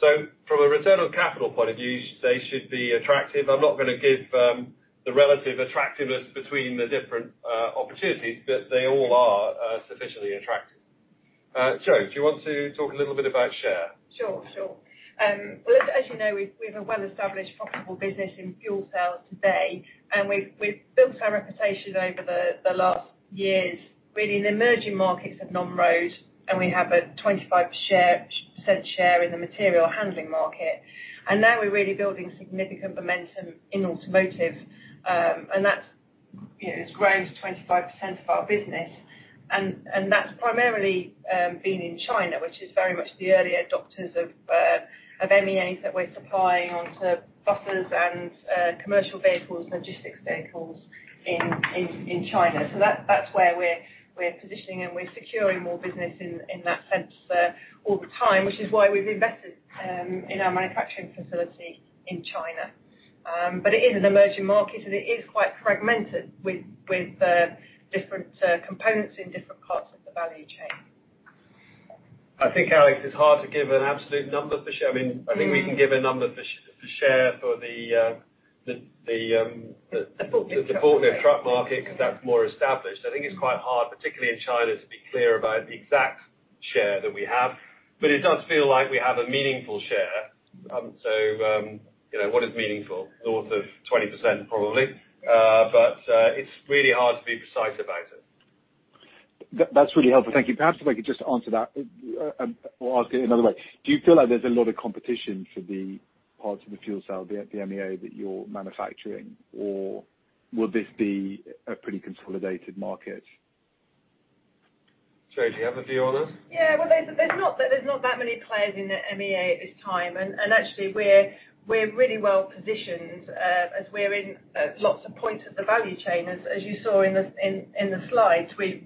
Speaker 3: From a return on capital point of view, they should be attractive. I'm not going to give the relative attractiveness between the different opportunities, but they all are sufficiently attractive. Jo, do you want to talk a little bit about share?
Speaker 4: Sure. Well, as you know, we've a well-established profitable business in fuel cells today. We've built our reputation over the last years, really in emerging markets of non-road. We have a 25% share in the material handling market. Now we're really building significant momentum in automotive, and that has grown to 25% of our business. That's primarily been in China, which is very much the early adopters of MEAs that we're supplying onto buses and commercial vehicles, logistics vehicles in China. That's where we're positioning and we're securing more business in that sense there all the time, which is why we've invested in our manufacturing facility in China. It is an emerging market, and it is quite fragmented with different components in different parts of the value chain.
Speaker 3: I think, Alex, it's hard to give an absolute number for share. I think we can give a number for share.
Speaker 4: The forklift truck.
Speaker 3: the forklift truck market because that's more established. I think it's quite hard, particularly in China, to be clear about the exact share that we have. It does feel like we have a meaningful share. What is meaningful? North of 20%, probably. It's really hard to be precise about it.
Speaker 7: That's really helpful. Thank you. Perhaps if I could just answer that, or ask it another way. Do you feel like there's a lot of competition for the parts of the fuel cell, the MEA that you're manufacturing, or will this be a pretty consolidated market?
Speaker 3: Jo, do you have a view on this?
Speaker 4: Well, there's not that many players in the MEA at this time. Actually, we're really well positioned as we're in lots of points of the value chain. As you saw in the slides, we're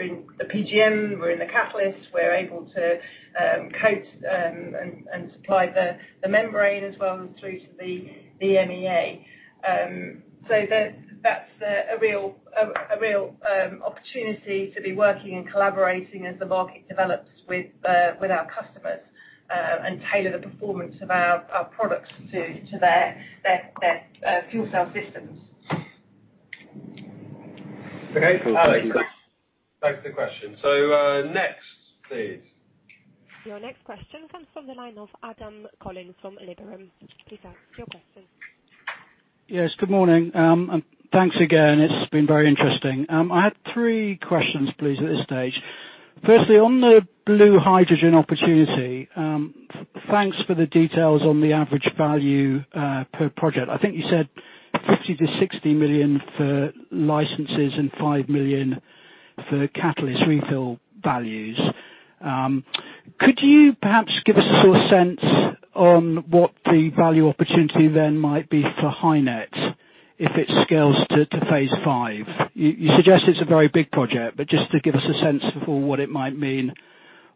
Speaker 4: in the PGM, we're in the catalyst, we're able to coat and supply the membrane as well through to the MEA. That's a real opportunity to be working and collaborating as the market develops with our customers, and tailor the performance of our products to their fuel cell systems.
Speaker 7: Okay. Thank you.
Speaker 3: Thanks for the question. Next, please.
Speaker 1: Your next question comes from the line of Adam Collins from Liberum. Please ask your question.
Speaker 8: Yes, good morning. Thanks again. It's been very interesting. I had three questions, please, at this stage. Firstly, on the blue hydrogen opportunity, thanks for the details on the average value per project. I think you said 50 million-60 million for licenses and 5 million for catalyst refill values. Could you perhaps give us a sort of sense on what the value opportunity then might be for HyNet if it scales to phase IV? You suggest it's a very big project, but just to give us a sense for what it might mean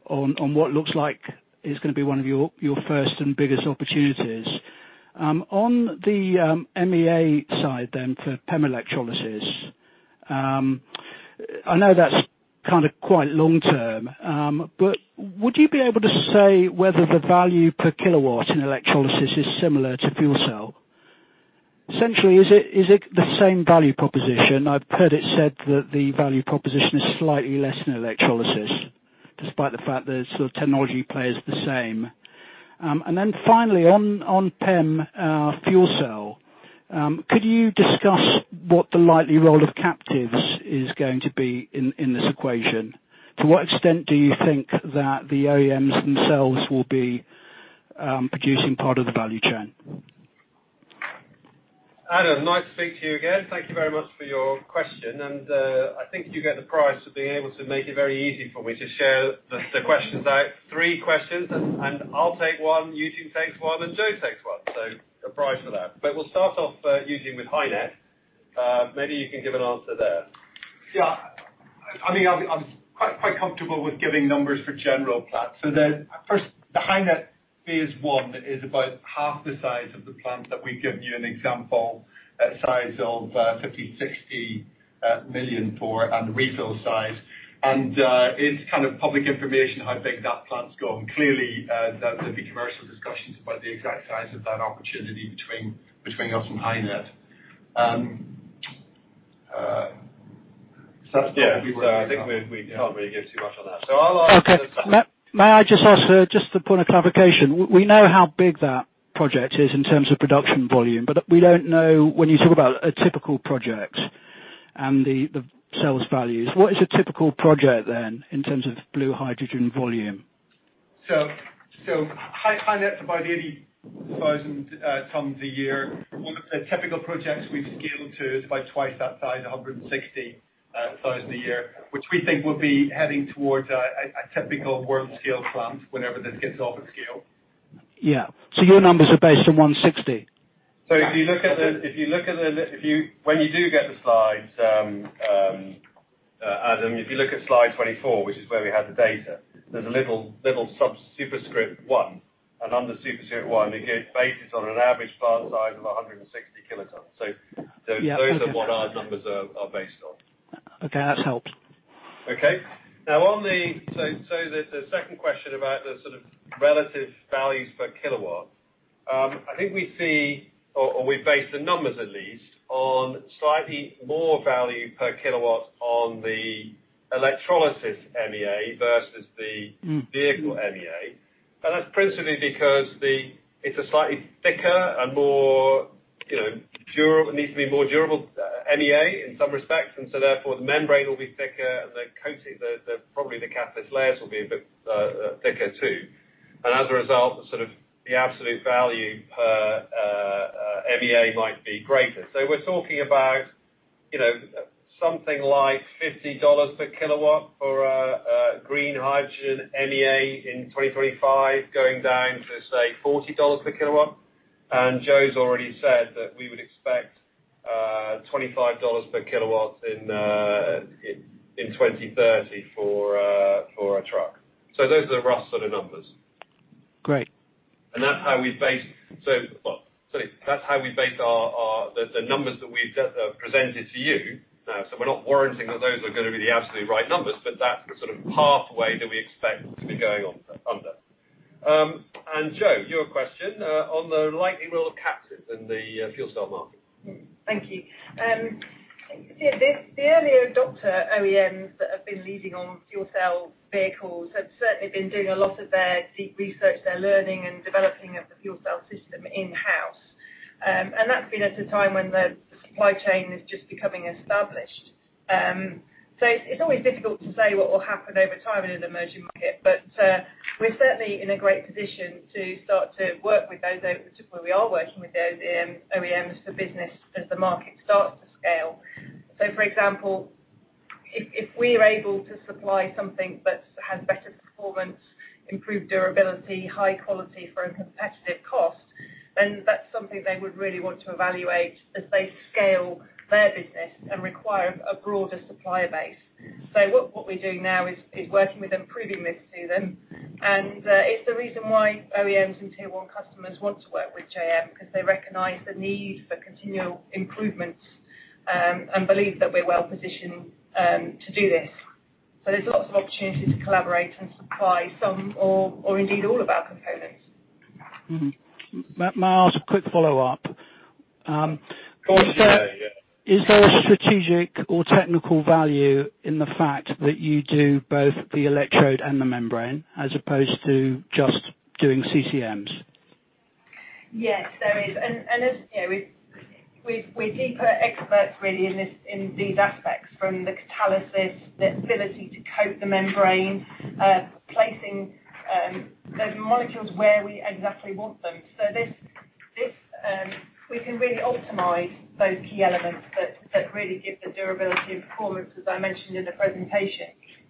Speaker 8: on what looks like is going to be one of your first and biggest opportunities. On the MEA side for PEM electrolysis. I know that's kind of quite long-term, but would you be able to say whether the value per kilowatt in electrolysis is similar to fuel cell? Essentially, is it the same value proposition? I've heard it said that the value proposition is slightly less in electrolysis, despite the fact that the technology play is the same. Finally, on PEM fuel cell, could you discuss what the likely role of captives is going to be in this equation? To what extent do you think that the OEMs themselves will be producing part of the value chain?
Speaker 3: Adam, nice to speak to you again. Thank you very much for your question. I think you get the prize for being able to make it very easy for me to share the questions out. Three questions, and I'll take one, Eugene takes one, and Jo takes one. A prize for that. We'll start off, Eugene, with HyNet. Maybe you can give an answer there.
Speaker 5: I'm quite comfortable with giving numbers for general platinum. First, the HyNet Phase I is about half the size of the plant that we've given you an example, a size of 50 million-60 million for, the refill size. It's public information how big that plant's going. Clearly, there will be commercial discussions about the exact size of that opportunity between us and HyNet. I think we can't really give too much on that. I'll ask.
Speaker 8: Okay. May I just ask, just a point of clarification. We know how big that project is in terms of production volume, but we don't know when you talk about a typical project and the sales values. What is a typical project then, in terms of blue hydrogen volume?
Speaker 3: HyNet is about 80,000 tons a year. One of the typical projects we've scaled to is about twice that size, 160,000 a year, which we think will be heading towards a typical world-scale plant whenever this gets off of scale.
Speaker 8: Yeah. Your numbers are based on 160?
Speaker 3: When you do get the slides, Adam, if you look at slide 24, which is where we had the data, there's a little superscript one, and under superscript one, it gives basis on an average plant size of 160 kilotons. Those are what our numbers are based on.
Speaker 8: Okay, that helps.
Speaker 3: The second question about the sort of relative values per kilowatt. I think we see, or we base the numbers at least, on slightly more value per kilowatt on the electrolysis MEA versus the- Vehicle MEA. That's principally because it's a slightly thicker and needs to be more durable MEA in some respects. Therefore, the membrane will be thicker, and probably the catalyst layers will be a bit thicker, too. As a result, the absolute value per MEA might be greater. We're talking about something like GBP 50 per kilowatt for a green hydrogen MEA in 2035, going down to, say, GBP 40 per kilowatt. Jo's already said that we would expect GBP 25 per kilowatt in 2030 for a truck. Those are the rough sort of numbers.
Speaker 8: Great.
Speaker 3: That's how we base the numbers that we've presented to you. We're not warranting that those are going to be the absolute right numbers, but that's the sort of pathway that we expect to be going under. Jo, your question on the likely role of catalysts in the fuel cell market.
Speaker 4: Thank you. I think the earlier adopter OEMs that have been leading on fuel cell vehicles have certainly been doing a lot of their deep research, their learning, and developing of the fuel cell system in-house. That's been at a time when the supply chain is just becoming established. It's always difficult to say what will happen over time in an emerging market, but we're certainly in a great position to start to work with those, which is where we are working with those OEMs for business as the market starts to scale. For example, if we are able to supply something that has better performance, improved durability, high quality for a competitive cost, then that's something they would really want to evaluate as they scale their business and require a broader supplier base. What we're doing now is working with them, proving this to them, and it's the reason why OEMs and Tier 1 customers want to work with J.M., because they recognize the need for continual improvements, and believe that we're well-positioned to do this. There's lots of opportunity to collaborate and supply some or indeed all of our components.
Speaker 8: May I ask a quick follow-up?
Speaker 3: Of course, yeah.
Speaker 8: Is there a strategic or technical value in the fact that you do both the electrode and the membrane, as opposed to just doing CCMs?
Speaker 4: Yes, there is. As you know, we're deeper experts, really, in these aspects, from the catalysis, the ability to coat the membrane, placing those molecules where we exactly want them. We can really optimize those key elements that really give the durability and performance, as I mentioned in the presentation.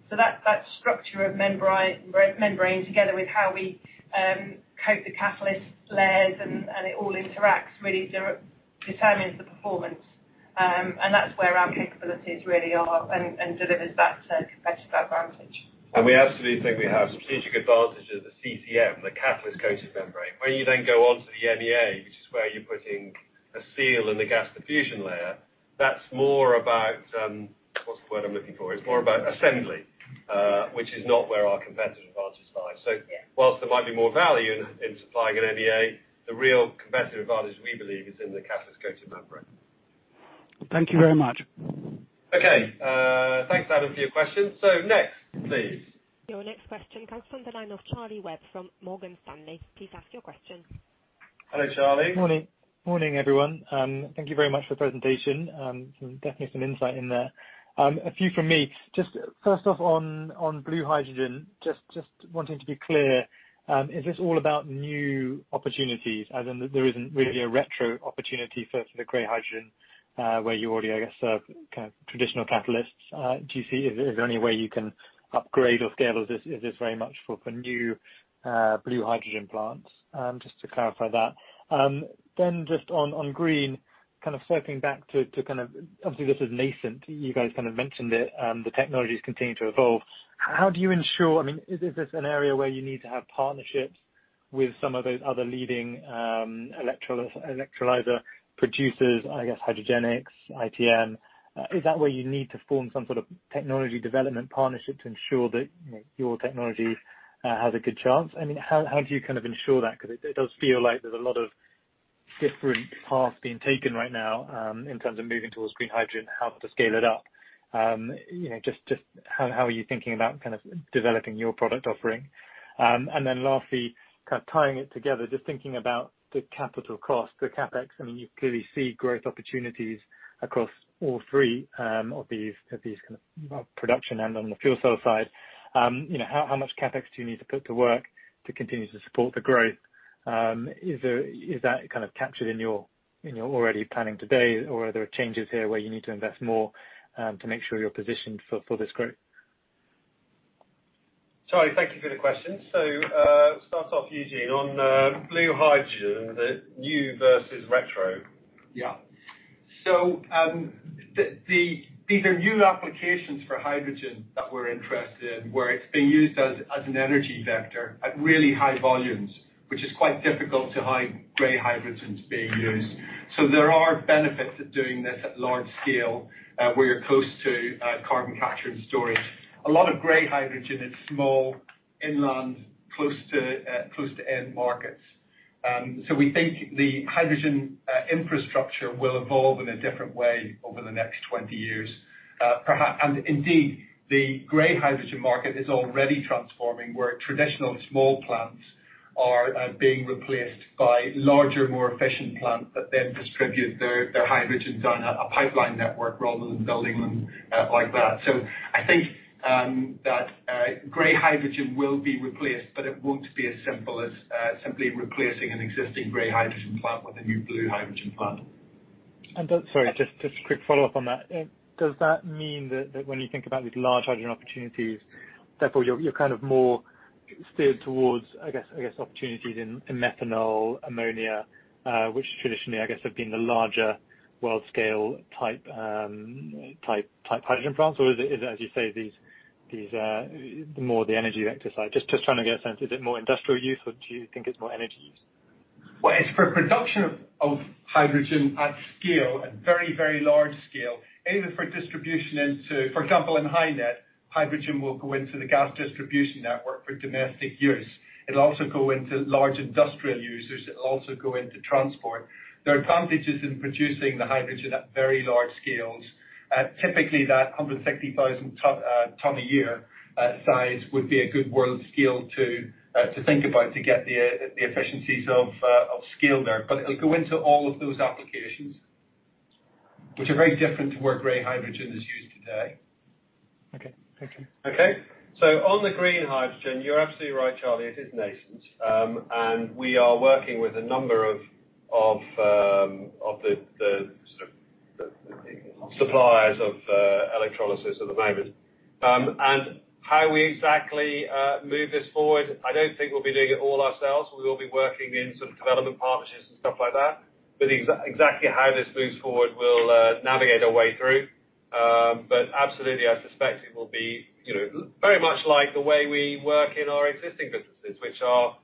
Speaker 4: That structure of membrane, together with how we coat the catalyst layers and it all interacts, really determines the performance. That's where our capabilities really are and delivers that competitive advantage.
Speaker 3: We absolutely think we have strategic advantage as a CCM, the catalyst-coated membrane, where you then go on to the MEA, which is where you're putting a seal in the gas diffusion layer. That's more about, what's the word I'm looking for? It's more about assembly, which is not where our competitive advantage lies. whilst there might be more value in supplying an MEA, the real competitive advantage, we believe, is in the catalyst-coated membrane.
Speaker 8: Thank you very much.
Speaker 3: Okay. Thanks, Adam, for your question. Next, please.
Speaker 1: Your next question comes from the line of Charlie Webb from Morgan Stanley. Please ask your question.
Speaker 3: Hello, Charlie.
Speaker 9: Morning. Morning, everyone. Thank you very much for the presentation. Definitely some insight in there. A few from me. Just first off on blue hydrogen, just wanting to be clear, is this all about new opportunities as in there isn't really a retro opportunity for the gray hydrogen, where you already, I guess, serve traditional catalysts? Is there any way you can upgrade or scale this? Is this very much for new blue hydrogen plants? Just to clarify that. Just on green, kind of circling back to, obviously, this is nascent, you guys mentioned it. The technology's continuing to evolve. How do you ensure, is this an area where you need to have partnerships with some of those other leading electrolyzer producers, I guess Hydrogenics, ITM? Is that where you need to form some sort of technology development partnership to ensure that your technology has a good chance? How do you ensure that? It does feel like there's a lot of different paths being taken right now in terms of moving towards green hydrogen, how to scale it up. How are you thinking about developing your product offering? Lastly, tying it together, thinking about the capital cost, the CapEx, you clearly see growth opportunities across all three of these production and on the fuel cell side. How much CapEx do you need to put to work to continue to support the growth? Is that captured in your already planning today, or are there changes here where you need to invest more to make sure you're positioned for this growth?
Speaker 3: Charlie, thank you for the question. Start off, Eugene, on blue hydrogen, the new versus retro.
Speaker 5: These are new applications for hydrogen that we're interested in, where it's being used as an energy vector at really high volumes, which is quite difficult to high gray hydrogens being used. There are benefits of doing this at large scale, where you're close to carbon capture and storage. A lot of gray hydrogen is small, inland, close to end markets. We think the hydrogen infrastructure will evolve in a different way over the next 20 years. And indeed, the gray hydrogen market is already transforming, where traditional small plants are being replaced by larger, more efficient plants that then distribute their hydrogens on a pipeline network rather than building them like that. I think that gray hydrogen will be replaced, but it won't be as simple as simply replacing an existing gray hydrogen plant with a new blue hydrogen plant.
Speaker 9: Sorry, just a quick follow-up on that. Does that mean that when you think about these large hydrogen opportunities, therefore you're more steered towards, I guess, opportunities in methanol, ammonia, which traditionally, I guess, have been the larger world scale type hydrogen plants? Or is it, as you say, more the energy vector side? Just trying to get a sense, is it more industrial use or do you think it's more energy use?
Speaker 5: Well, it's for production of hydrogen at scale, at very large scale, for example, in HyNet, hydrogen will go into the gas distribution network for domestic use. It'll also go into large industrial users. It'll also go into transport. There are advantages in producing the hydrogen at very large scales. Typically, that 160,000 ton a year size would be a good world scale to think about to get the efficiencies of scale there. It'll go into all of those applications, which are very different to where gray hydrogen is used today.
Speaker 9: Okay. Thank you.
Speaker 3: Okay. On the green hydrogen, you're absolutely right, Charlie. It is nascent. We are working with a number of the suppliers of electrolysis at the moment. How we exactly move this forward, I don't think we'll be doing it all ourselves. We will be working in development partnerships and stuff like that. Exactly how this moves forward, we'll navigate our way through. Absolutely, I suspect it will be very much like the way we work in our existing businesses, which are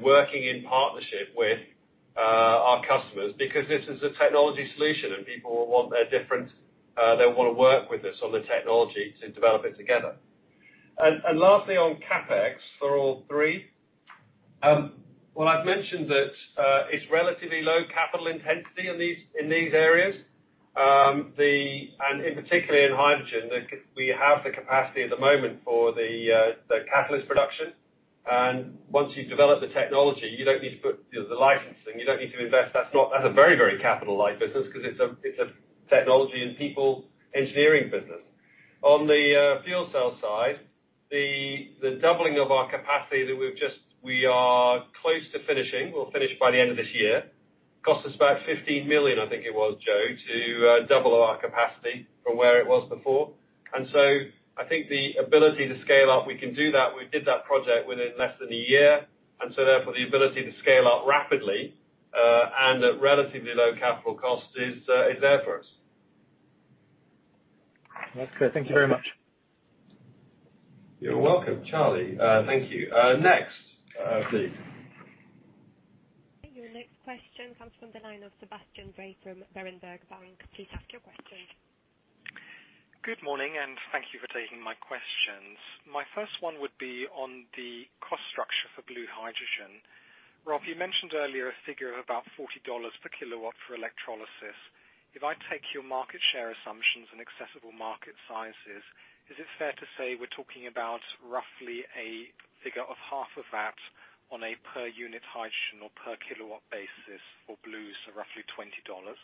Speaker 3: working in partnership with our customers because this is a technology solution and people will want to work with us on the technology to develop it together. Lastly, on CapEx for all three. Well, I've mentioned that it's relatively low capital intensity in these areas. In particular in hydrogen, we have the capacity at the moment for the catalyst production. Once you've developed the technology, you don't need to put the licensing, you don't need to invest. That's a very capital light business because it's a technology and people engineering business. On the fuel cell side, the doubling of our capacity that we are close to finishing, we'll finish by the end of this year, cost us about 15 million, I think it was, Jo, to double our capacity from where it was before. I think the ability to scale up, we can do that. We did that project within less than a year, therefore, the ability to scale up rapidly, and at relatively low capital cost is there for us.
Speaker 9: That is clear. Thank you very much.
Speaker 3: You're welcome, Charlie. Thank you. Next, please.
Speaker 1: Your next question comes from the line of Sebastian Bray from Berenberg Bank. Please ask your question.
Speaker 10: Good morning, thank you for taking my questions. My first one would be on the cost structure for blue hydrogen. Rob, you mentioned earlier a figure of about GBP 40 per kilowatt for electrolysis. If I take your market share assumptions and accessible market sizes, is it fair to say we're talking about roughly a figure of half of that on a per unit hydrogen or per kilowatt basis for blues of roughly GBP 20?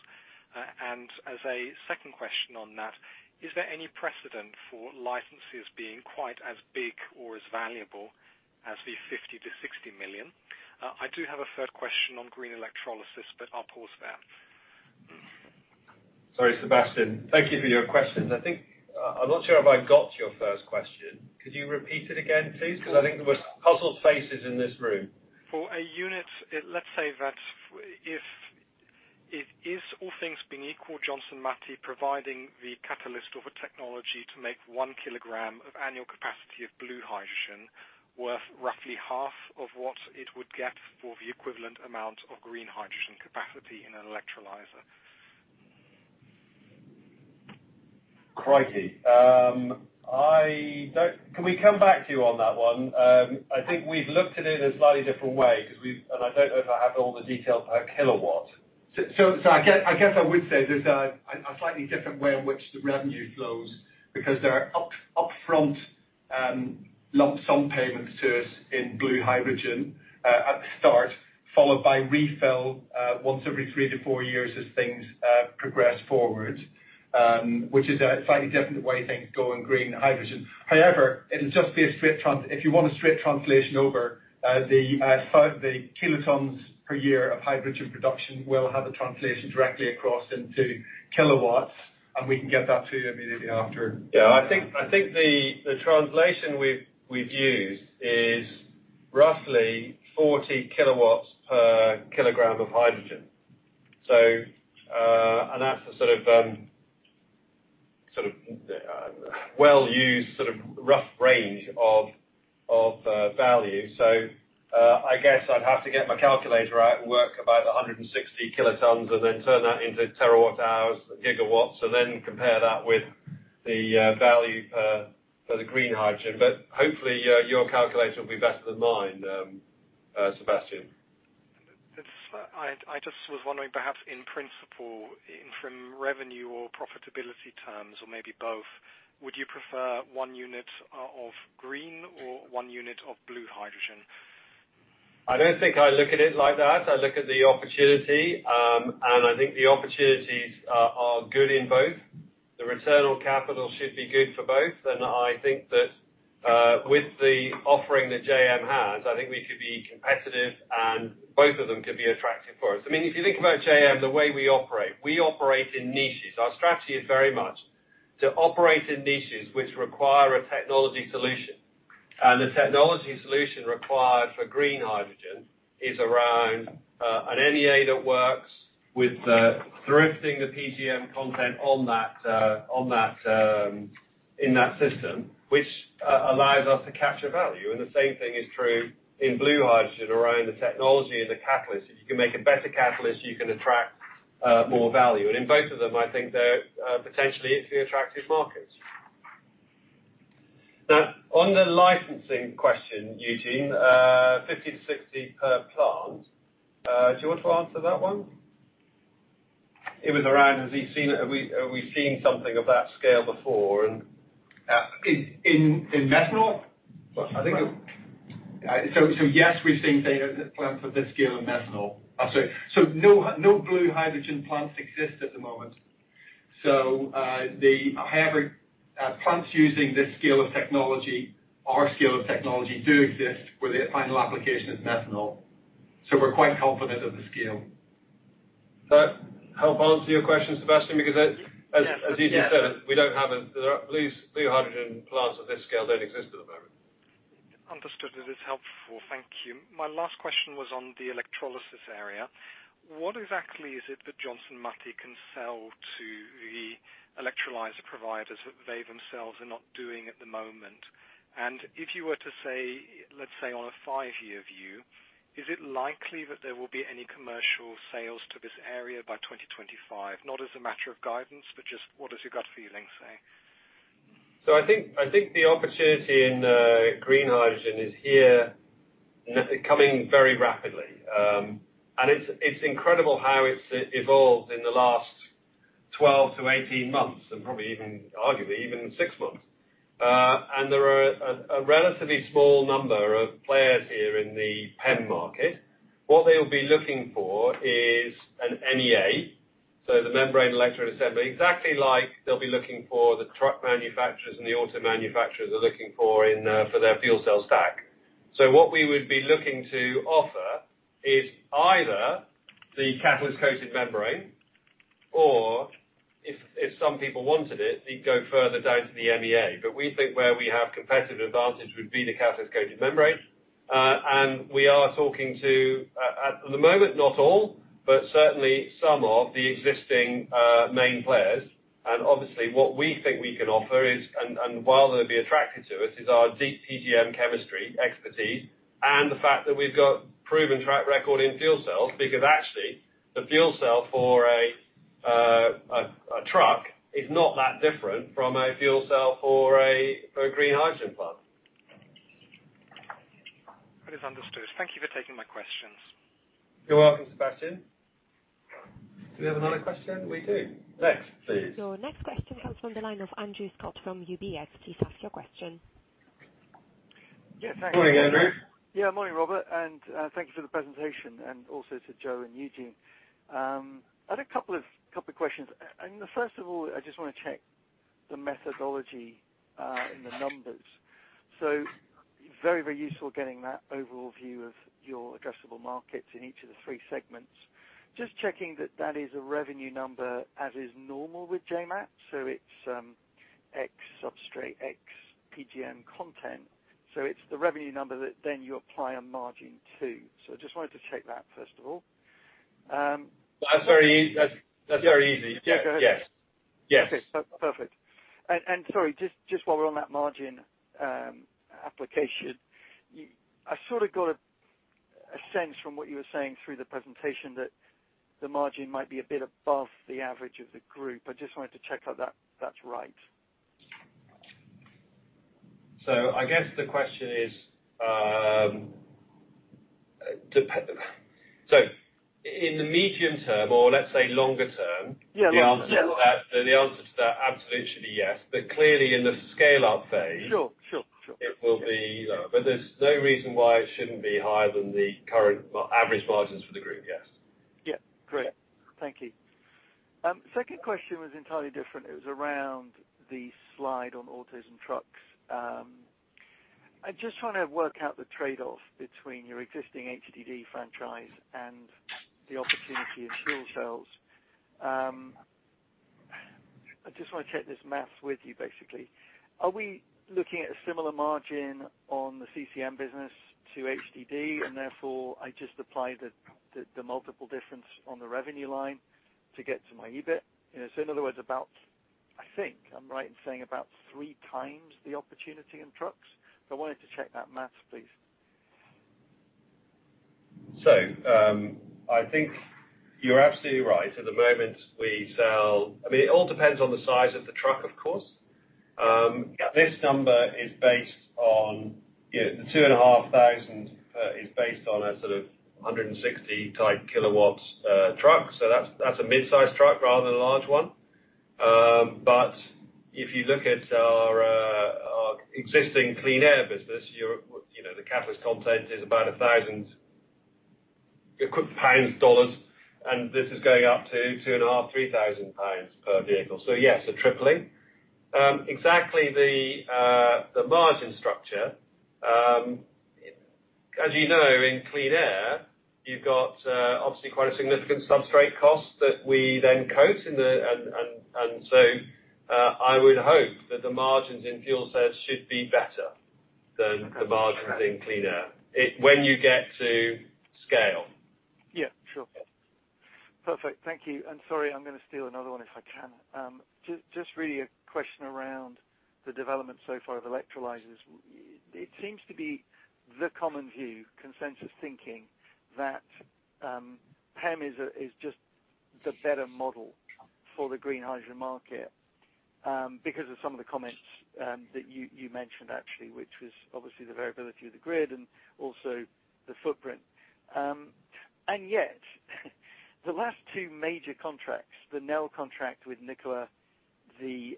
Speaker 10: As a second question on that, is there any precedent for licenses being quite as big or as valuable as the 50 million-60 million? I do have a third question on green electrolysis, but I'll pause there.
Speaker 3: Sorry, Sebastian. Thank you for your questions. I'm not sure if I got your first question. Could you repeat it again, please? I think there was puzzled faces in this room.
Speaker 10: For a unit, let's say that Is, all things being equal, Johnson Matthey providing the catalyst of a technology to make one kilogram of annual capacity of blue hydrogen worth roughly half of what it would get for the equivalent amount of green hydrogen capacity in an electrolyzer?
Speaker 3: Crikey. Can we come back to you on that one? I think we've looked at it in a slightly different way, and I don't know if I have all the detail per kilowatt.
Speaker 5: I guess I would say there's a slightly different way in which the revenue flows, because there are upfront lump sum payments to us in blue hydrogen at the start, followed by refill once every three to four years as things progress forward, which is a slightly different way things go in green hydrogen. If you want a straight translation over, the kilotons per year of hydrogen production will have a translation directly across into kilowatts, and we can get that to you immediately after.
Speaker 3: Yeah. I think the translation we've used is roughly 40 kW per kilogram of hydrogen. That's the well-used rough range of value. I guess I'd have to get my calculator out and work about 160 kW and then turn that into terawatt hours and gigawatts, and then compare that with the value for the green hydrogen. Hopefully, your calculator will be better than mine, Sebastian.
Speaker 10: I just was wondering, perhaps in principle, from revenue or profitability terms, or maybe both, would you prefer one unit of green or one unit of blue hydrogen?
Speaker 3: I don't think I look at it like that. I look at the opportunity. I think the opportunities are good in both. The return on capital should be good for both. I think that with the offering that J.M. has, I think we could be competitive and both of them could be attractive for us. If you think about J.M., the way we operate, we operate in niches. Our strategy is very much to operate in niches which require a technology solution. The technology solution required for green hydrogen is around an MEA that works with drifting the PGM content in that system, which allows us to capture value. The same thing is true in blue hydrogen, around the technology and the catalyst. If you can make a better catalyst, you can attract more value. In both of them, I think they're potentially attractive markets. On the licensing question, Eugene, 50-60 per plant, do you want to answer that one? It was around have we seen something of that scale before.
Speaker 5: In methanol?
Speaker 3: I think it-
Speaker 5: Yes, we've seen plants of this scale in methanol. No blue hydrogen plants exist at the moment. However, plants using this scale of technology, our scale of technology, do exist where the final application is methanol. We're quite confident of the scale.
Speaker 3: That help answer your question, Sebastian? Because as Eugene said, blue hydrogen plants of this scale don't exist at the moment.
Speaker 10: Understood. It is helpful. Thank you. My last question was on the electrolysis area. What exactly is it that Johnson Matthey can sell to the electrolyzer providers that they themselves are not doing at the moment? If you were to say, let's say on a five-year view, is it likely that there will be any commercial sales to this area by 2025? Not as a matter of guidance, but just what does your gut feeling say?
Speaker 3: I think the opportunity in green hydrogen is here, coming very rapidly. It's incredible how it's evolved in the last 12-18 months, and probably even, arguably, even six months. There are a relatively small number of players here in the PEM market. What they'll be looking for is an MEA, so the membrane electrode assembly, exactly like they'll be looking for the truck manufacturers and the auto manufacturers are looking for in for their fuel cells stack. What we would be looking to offer is either the catalyst-coated membrane, or if some people wanted it'd go further down to the MEA. We think where we have competitive advantage would be the catalyst-coated membrane. We are talking to, at the moment, not all, but certainly some of the existing main players. Obviously, what we think we can offer is, and why they'll be attracted to us, is our deep PGM chemistry expertise and the fact that we've got proven track record in fuel cells, because actually, the fuel cell for a truck is not that different from a fuel cell for a green hydrogen plant.
Speaker 10: That is understood. Thank you for taking my questions.
Speaker 3: You're welcome, Sebastian. Do we have another question? We do. Next, please.
Speaker 1: Your next question comes from the line of Andrew Sott from UBS. Please ask your question.
Speaker 11: Yeah, thanks.
Speaker 3: Morning, Andrew.
Speaker 11: Yeah, morning, Robert. Thank you for the presentation, and also to Joe and Eugene. I had a couple of questions. First of all, I just want to check the methodology in the numbers. Very useful getting that overall view of your addressable markets in each of the three segments. Just checking that that is a revenue number as is normal with JMAT, so it's ex substrate ex PGM content. It's the revenue number that then you apply a margin to. I just wanted to check that, first of all.
Speaker 3: That's very easy.
Speaker 11: Yeah.
Speaker 3: Yes.
Speaker 11: Okay, perfect. Sorry, just while we're on that margin application, I sort of got a sense from what you were saying through the presentation that the margin might be a bit above the average of the group. I just wanted to check if that's right.
Speaker 3: I guess the question is, so in the medium-term or let's say longer-term? The answer to that, absolutely yes. It will be. There's no reason why it shouldn't be higher than the current average margins for the group. Yes.
Speaker 11: Great. Thank you. Second question was entirely different. It was around the slide on autos and trucks. I am just trying to work out the trade-off between your existing HDD franchise and the opportunity in fuel cells. I just want to check this maths with you, basically. Are we looking at a similar margin on the CCM business to HDD, and therefore I just apply the multiple difference on the revenue line to get to my EBIT? In other words, about, I think I am right in saying about 3x the opportunity in trucks. I wanted to check that maths, please.
Speaker 3: I think you're absolutely right. At the moment, it all depends on the size of the truck, of course.
Speaker 11: Yeah.
Speaker 3: This number is based on the 2,500 is based on a sort of type 160 kW truck. That's a mid-size truck rather than a large one. If you look at our existing Clean Air business, the catalyst content is about 1,000 pounds equivalent, and this is going up to 2,500-3,000 pounds per vehicle. Yes, a tripling. Exactly the margin structure, as you know, in Clean Air, you've got obviously quite a significant substrate cost that we then coat. I would hope that the margins in Fuel Cells should be better than the margins in Clean Air when you get to scale.
Speaker 11: Sure. Perfect. Thank you. Sorry, I'm going to steal another one if I can. Just really a question around the development so far of electrolyzers. It seems to be the common view, consensus thinking, that PEM is just the better model for the green hydrogen market because of some of the comments that you mentioned, actually, which was obviously the variability of the grid and also the footprint. Yet the last two major contracts, the Nel contract with Nikola, the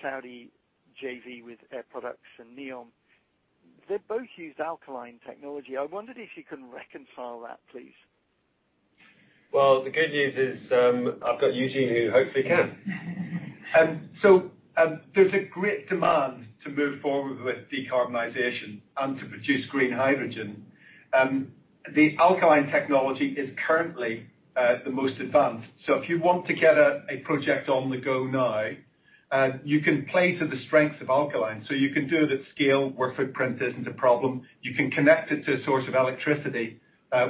Speaker 11: Saudi JV with Air Products and Neom, they both used alkaline technology. I wondered if you can reconcile that, please.
Speaker 3: The good news is, I've got Eugene, who hopefully can. There's a great demand to move forward with decarbonization and to produce green hydrogen. The Alkaline technology is currently the most advanced. If you want to get a project on the go now, you can play to the strength of Alkaline. You can do it at scale, where footprint isn't a problem. You can connect it to a source of electricity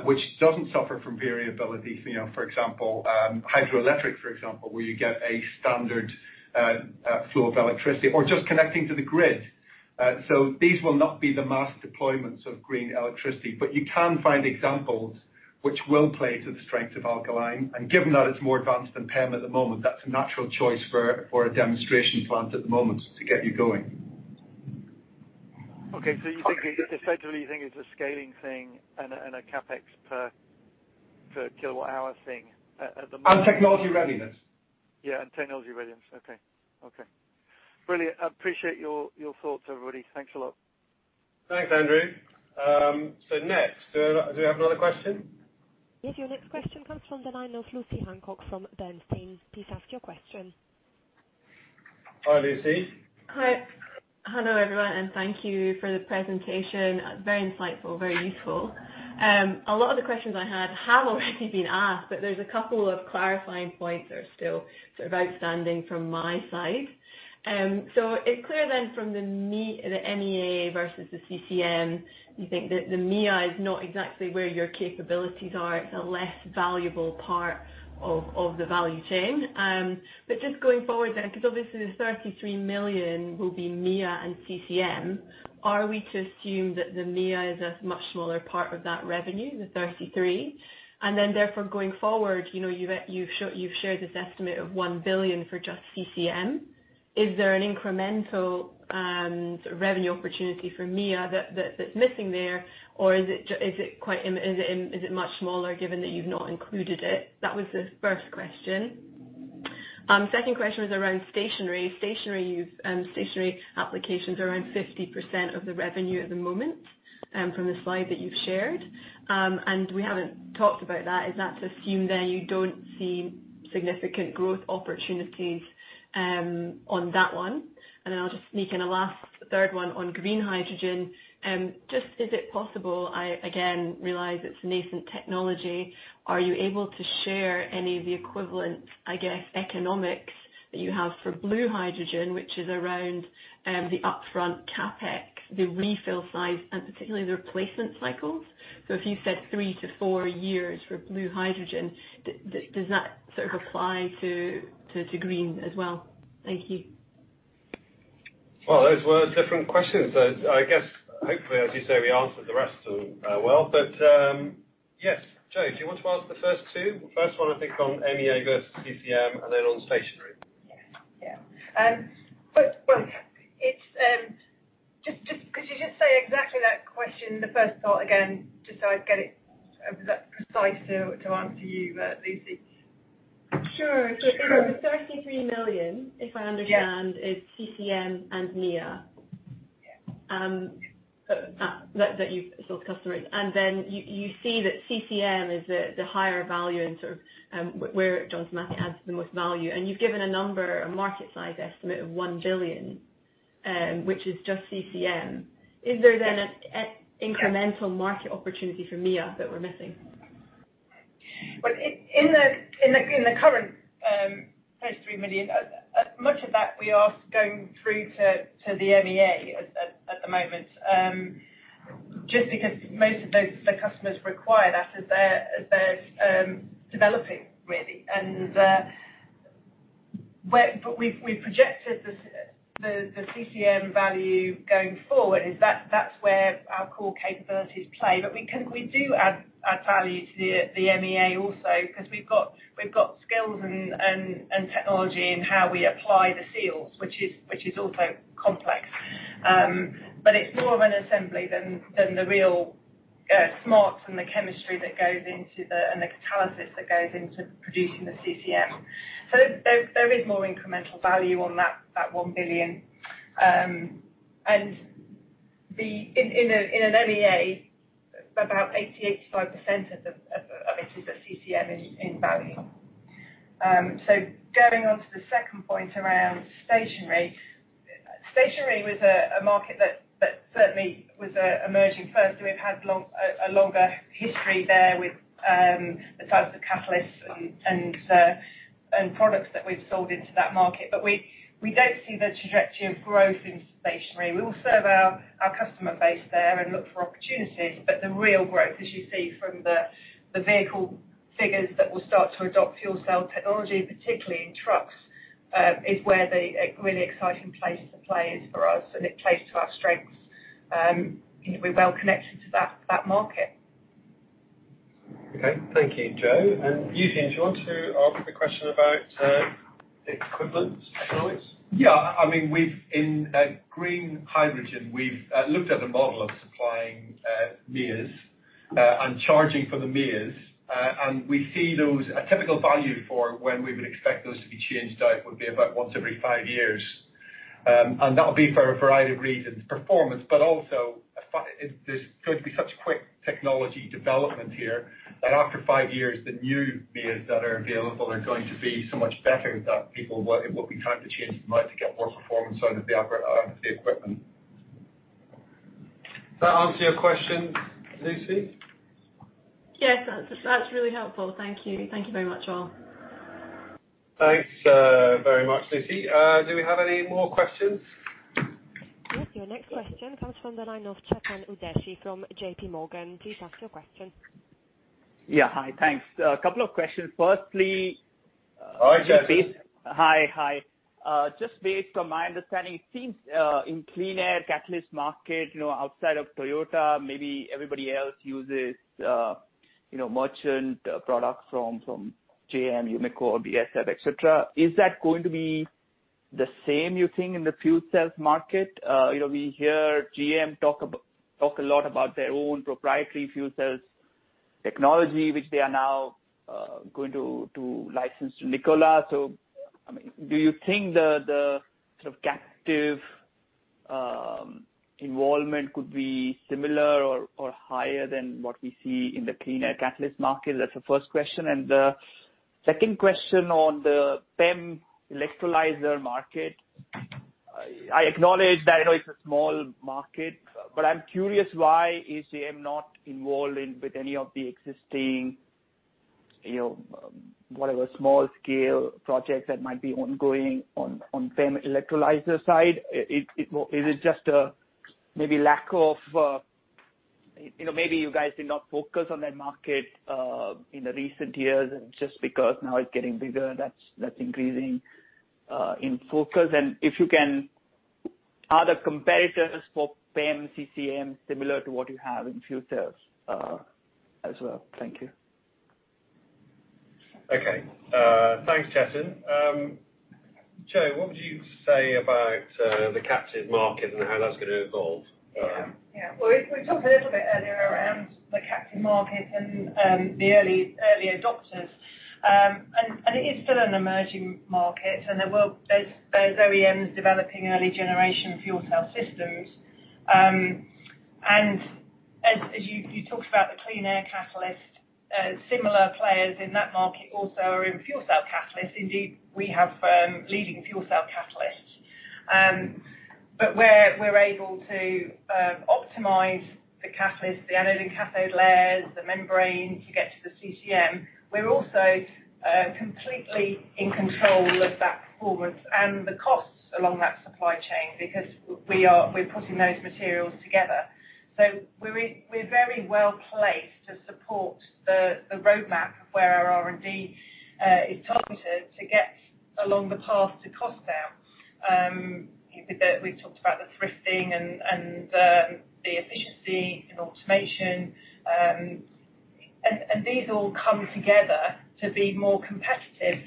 Speaker 3: which doesn't suffer from variability. For example, hydroelectric, where you get a standard flow of electricity or just connecting to the grid. These will not be the mass deployments of green electricity, but you can find examples which will play to the strength of Alkaline. Given that it's more advanced than PEM at the moment, that's a natural choice for a demonstration plant at the moment to get you going.
Speaker 11: Okay, essentially, you think it's a scaling thing and a CapEx per kilowatt-hour thing at the moment.
Speaker 3: Technology readiness.
Speaker 11: Yeah, technology readiness. Okay. Brilliant. I appreciate your thoughts, everybody. Thanks a lot.
Speaker 3: Thanks, Andrew. Next, do we have another question?
Speaker 1: Yes. Your next question comes from the line of Lucy Hancock from Bernstein. Please ask your question.
Speaker 3: Hi, Lucy.
Speaker 12: Hi. Hello, everyone, and thank you for the presentation. Very insightful, very useful. A lot of the questions I had have already been asked, but there is a couple of clarifying points that are still sort of outstanding from my side. It is clear then from the MEA versus the CCM, you think that the MEA is not exactly where your capabilities are. It is a less valuable part of the value chain. Just going forward then, because obviously the 33 million will be MEA and CCM, are we to assume that the MEA is a much smaller part of that revenue, the 33? Therefore going forward, you have shared this estimate of 1 billion for just CCM. Is there an incremental revenue opportunity for MEA that is missing there, or is it much smaller given that you have not included it? That was the first question. Second question was around stationary applications, around 50% of the revenue at the moment from the slide that you've shared. We haven't talked about that. Is that to assume then you don't see significant growth opportunities on that one? I'll just sneak in a last third one on green hydrogen. Is it possible, I again realize it's nascent technology, are you able to share any of the equivalent, I guess, economics that you have for blue hydrogen, which is around the upfront CapEx, the refill size, and particularly the replacement cycles? If you said three to four years for blue hydrogen, does that sort of apply to green as well? Thank you.
Speaker 3: Those were different questions. I guess hopefully, as you say, we answered the rest of them well. Yes. Jo, do you want to answer the first two? First one, I think, on MEA versus CCM, and then on stationary.
Speaker 4: Yes. Could you just say exactly that question, the first part again, just so I get it precise to answer you, Lucy?
Speaker 12: Sure. The 33 million, if I understand, is CCM and MEA. That you've sold to customers, you see that CCM is the higher value and sort of where Johnson Matthey adds the most value, you've given a number, a market size estimate of 1 billion, which is just CCM. Is there an incremental market opportunity for MEA that we're missing?
Speaker 4: Well, in the current 33 million, much of that we are going through to the MEA at the moment, just because most of the customers require that as they're developing, really. We've projected the CCM value going forward is that's where our core capabilities play. We do add value to the MEA also because we've got skills and technology in how we apply the seals, which is also complex. It's more of an assembly than the real smarts and the chemistry and the catalysis that goes into producing the CCM. There is more incremental value on that 1 billion. In an MEA, about 80%, 85% of it is a CCM in value. Going on to the second point around stationary. Stationary was a market that certainly was emerging first, and we've had a longer history there with the types of catalysts and products that we've sold into that market. We don't see the trajectory of growth in stationary. We will serve our customer base there and look for opportunities, but the real growth, as you see from the vehicle figures that will start to adopt fuel cell technology, particularly in trucks, is where the really exciting place to play is for us, and it plays to our strengths. We're well connected to that market.
Speaker 3: Okay. Thank you, Jo. Eugene, do you want to answer the question about the equivalent economics?
Speaker 5: Yeah. In green hydrogen, we've looked at a model of supplying MEAs and charging for the MEAs, and we see those, a typical value for when we would expect those to be changed out would be about once every five years. That would be for a variety of reasons, performance, but also there's going to be such quick technology development here that after five years, the new MEAs that are available are going to be so much better that people will be trying to change them out to get more performance out of the equipment.
Speaker 3: Does that answer your question, Lucy?
Speaker 12: Yes. That's really helpful. Thank you. Thank you very much, all.
Speaker 3: Thanks very much, Lucy. Do we have any more questions?
Speaker 1: Yes. Your next question comes from the line of Chetan Udeshi from JPMorgan. Please ask your question.
Speaker 13: Yeah. Hi. Thanks. A couple of questions.
Speaker 3: Hi, Chetan.
Speaker 13: Hi. Just based on my understanding, it seems in clean air catalyst market, outside of Toyota, maybe everybody else uses merchant products from JM, Umicore, BASF, et cetera. Is that going to be the same, you think, in the fuel cells market? We hear GM talk a lot about their own proprietary fuel cells technology, which they are now going to license to Nikola. Do you think the sort of captive involvement could be similar or higher than what we see in the clean air catalyst market? That's the first question. The second question on the PEM electrolyzer market. I acknowledge that it's a small market, but I'm curious why is J.M. not involved in with any of the existing, whatever, small scale projects that might be ongoing on PEM electrolyzer side? Is it just maybe you guys did not focus on that market in the recent years, just because now it's getting bigger, that's increasing in focus. If you can, are the competitors for PEM CCM similar to what you have in fuel cells as well? Thank you.
Speaker 3: Okay. Thanks, Chetan. Jo, what would you say about the captive market and how that's going to evolve?
Speaker 4: Yeah. Well, we talked a little bit earlier around the captive market and the early adopters. It is still an emerging market, and there are OEMs developing early generation fuel cell systems. As you talked about the clean air catalyst, similar players in that market also are in fuel cell catalysts. Indeed, we have leading fuel cell catalysts. Where we're able to optimize the catalyst, the anode and cathode layers, the membrane to get to the CCM, we're also completely in control of that performance and the costs along that supply chain, because we're putting those materials together. We're very well-placed to support the roadmap of where our R&D is targeted to get along the path to cost down. We talked about the thrifting and the efficiency and automation. These all come together to be more competitive.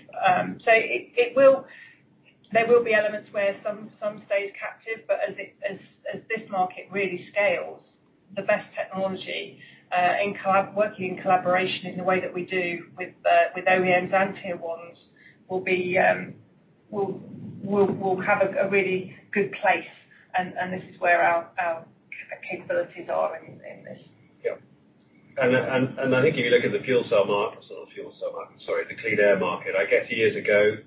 Speaker 4: There will be elements where some stay captive, but as this market really scales, the best technology, working in collaboration in the way that we do with OEMs and tier 1s, we will have a really good place, and this is where our capabilities are in this.
Speaker 3: Yeah. I think if you look at the clean air market, I guess years ago,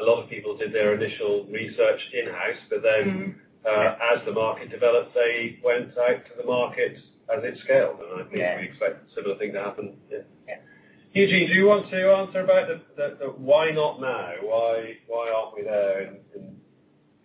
Speaker 3: a lot of people did their initial research in-house, but then. As the market developed, they went out to the market as it scaled.
Speaker 4: Yeah.
Speaker 3: I think we expect a similar thing to happen. Eugene, do you want to answer about the why not now? Why aren't we there?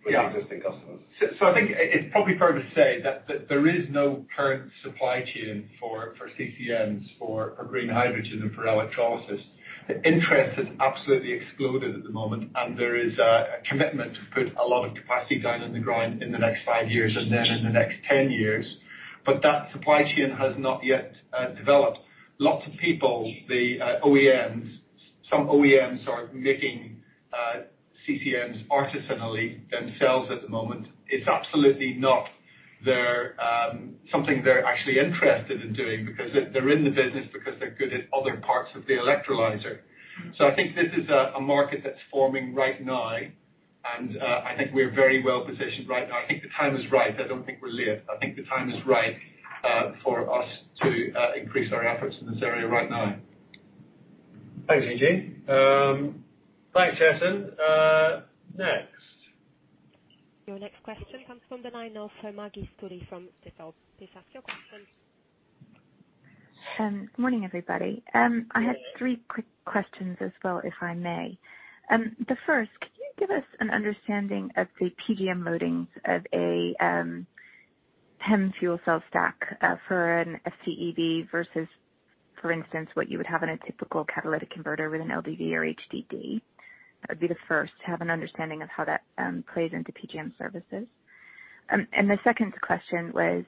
Speaker 3: With existing customers?
Speaker 5: I think it's probably fair to say that there is no current supply chain for CCMs for green hydrogen and for electrolysis. The interest has absolutely exploded at the moment, and there is a commitment to put a lot of capacity down in the ground in the next five years, and then in the next 10 years. But that supply chain has not yet developed. Lots of people, the OEMs, some OEMs are making CCMs artisanally themselves at the moment. It's absolutely not something they're actually interested in doing because they're in the business because they're good at other parts of the electrolyzer. I think this is a market that's forming right now, and I think we're very well-positioned right now. I think the time is right. I don't think we're late. I think the time is right for us to increase our efforts in this area right now.
Speaker 3: Thanks, Eugene. Thanks, Chetan. Next.
Speaker 1: Your next question comes from the line of Maggie Scary from Berenberg. Please ask your question.
Speaker 14: Morning, everybody. I had three quick questions as well, if I may. The first, could you give us an understanding of the PGM loadings of a PEM fuel cell stack for an FCEV versus, for instance, what you would have in a typical catalytic converter with an LDD or HDD? That would be the first, to have an understanding of how that plays into PGM services. The second question was,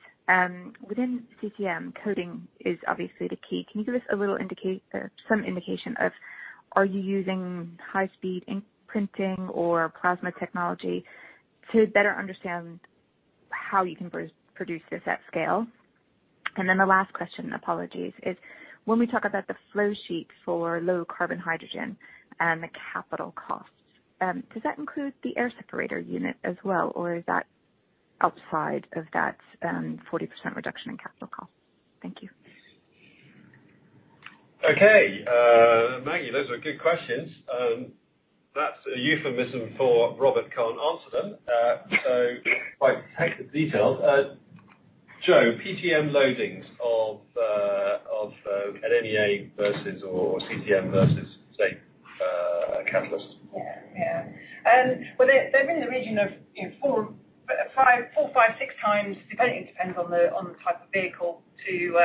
Speaker 14: within CCM, coating is obviously the key. Can you give us some indication of are you using high-speed ink printing or plasma technology to better understand how you can produce this at scale? The last question, apologies, is when we talk about the flow sheet for low carbon hydrogen and the capital costs, does that include the air separator unit as well, or is that outside of that 40% reduction in capital cost? Thank you.
Speaker 3: Maggie, those are good questions. That's a euphemism for Robert can't answer them. If I take the details, Jo, PGM loadings of an MEA versus, or CCM versus, say, a catalyst.
Speaker 4: Yeah. Well, they're in the region of 4x, 5x, 6x, depending, it depends on the type of vehicle, to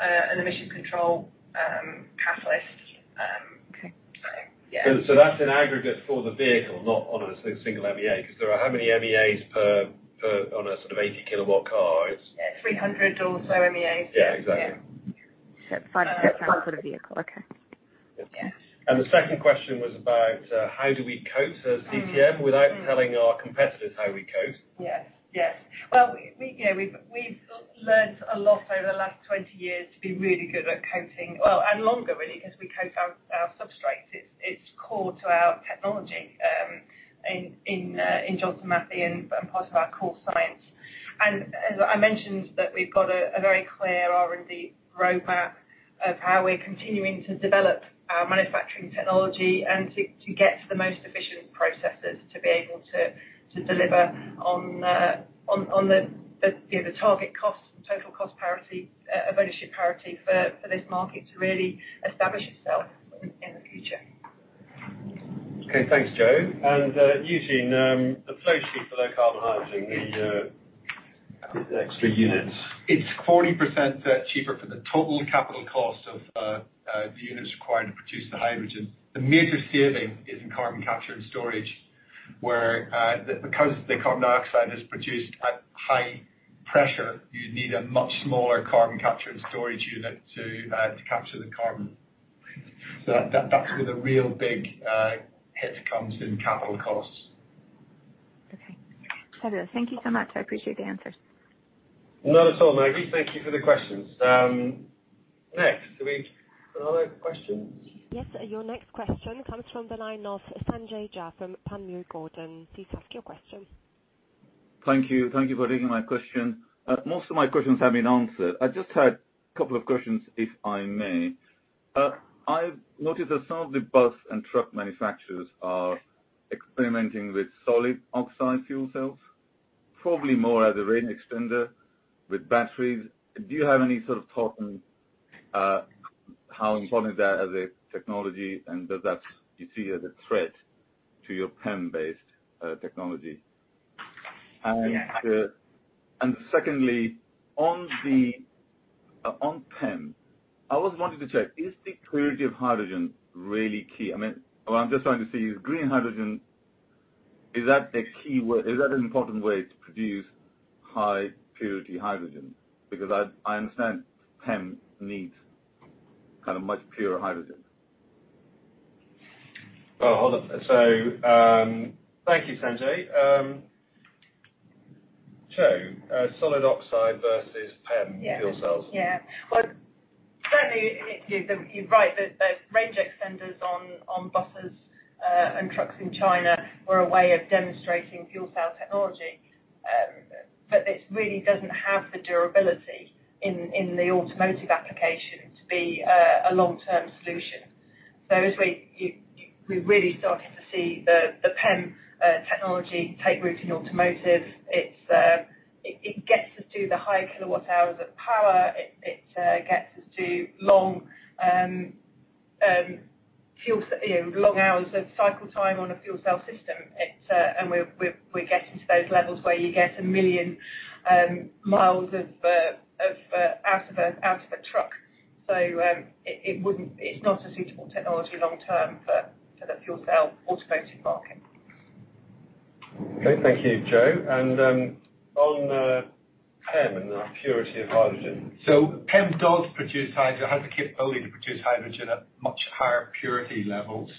Speaker 4: an emission control catalyst.
Speaker 14: Okay.
Speaker 4: Yeah.
Speaker 3: That's an aggregate for the vehicle, not on a single MEA, because there are how many MEAs on a sort of 80 kW car?
Speaker 4: 300 or so MEAs.
Speaker 3: Yeah, exactly.
Speaker 14: 5 g per vehicle. Okay.
Speaker 4: Yeah.
Speaker 3: The second question was about how do we coat a CCM without telling our competitors how we coat.
Speaker 4: Yes. Well, we've learned a lot over the last 20 years to be really good at coating. Well, longer, really, because we coat our substrates. It's core to our technology in Johnson Matthey and part of our core science. As I mentioned, that we've got a very clear R&D roadmap of how we're continuing to develop our manufacturing technology and to get to the most efficient processes to be able to deliver on the target cost and total cost parity, ownership parity for this market to really establish itself in the future.
Speaker 3: Okay. Thanks, Jo. Eugene, the flow sheet for low carbon hydrogen, the extra units.
Speaker 5: It's 40% cheaper for the total capital cost of the units required to produce the hydrogen. The major saving is in carbon capture and storage, where because the carbon dioxide is produced at high pressure, you need a much smaller carbon capture and storage unit to capture the carbon. That's where the real big hit comes in capital costs.
Speaker 14: Okay. Fabulous. Thank you so much. I appreciate the answers.
Speaker 3: Not at all, Maggie. Thank you for the questions. Do we have another question?
Speaker 1: Yes. Your next question comes from the line of Sanjay Jha from Panmure Gordon. Please ask your question.
Speaker 15: Thank you. Thank you for taking my question. Most of my questions have been answered. I just had a couple of questions, if I may. I've noticed that some of the bus and truck manufacturers are experimenting with solid oxide fuel cells, probably more as a range extender with batteries. Do you have any sort of thought on how important that is as a technology? Do you see that as a threat to your PEM-based technology?
Speaker 3: Yeah.
Speaker 15: Secondly, on PEM, I always wanted to check, is the purity of hydrogen really key? What I'm just trying to see is green hydrogen, is that an important way to produce high purity hydrogen? Because I understand PEM needs much purer hydrogen.
Speaker 3: Well, hold on. Thank you, Sanjay. Jo, Solid oxide versus PEM fuel cells.
Speaker 4: Well, certainly, you're right, the range extenders on buses and trucks in China were a way of demonstrating fuel cell technology. It really doesn't have the durability in the automotive application to be a long-term solution. As we're really starting to see the PEM technology take root in automotive, it gets us to the higher kilowatt hours of power. It gets us to long hours of cycle time on a fuel cell system. We're getting to those levels where you get 1 million miles out of a truck. It's not a suitable technology long-term for the fuel cell automotive market.
Speaker 3: Okay. Thank you, Jo. On PEM and the purity of hydrogen.
Speaker 5: PEM does produce hydro. It has the capability to produce hydrogen at much higher purity levels.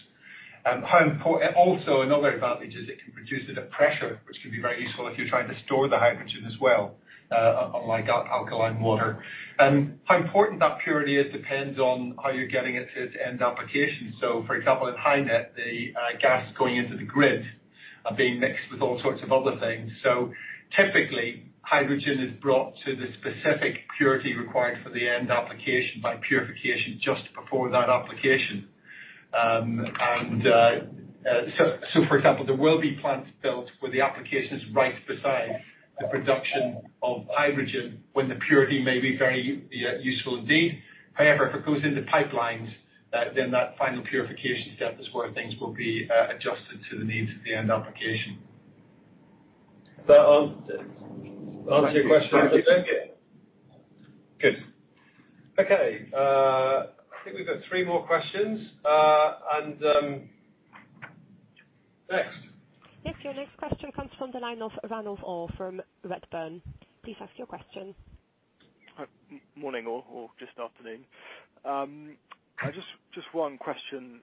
Speaker 5: Also, another advantage is it can produce it at pressure, which can be very useful if you're trying to store the hydrogen as well, unlike alkaline electrolyzers. How important that purity is depends on how you're getting it to its end application. For example, in HyNet, the gas going into the grid are being mixed with all sorts of other things. Typically, hydrogen is brought to the specific purity required for the end application by purification just before that application. For example, there will be plants built where the application is right beside the production of hydrogen, when the purity may be very useful indeed. However, if it goes into pipelines, then that final purification step is where things will be adjusted to the needs of the end application.
Speaker 3: Does that answer your question, Sanjay?
Speaker 15: Thank you.
Speaker 3: Good. Okay. I think we've got three more questions. Next.
Speaker 1: Yes. Your next question comes from the line of Ranulf Orr from Redburn. Please ask your question.
Speaker 16: Morning or just afternoon. Just one question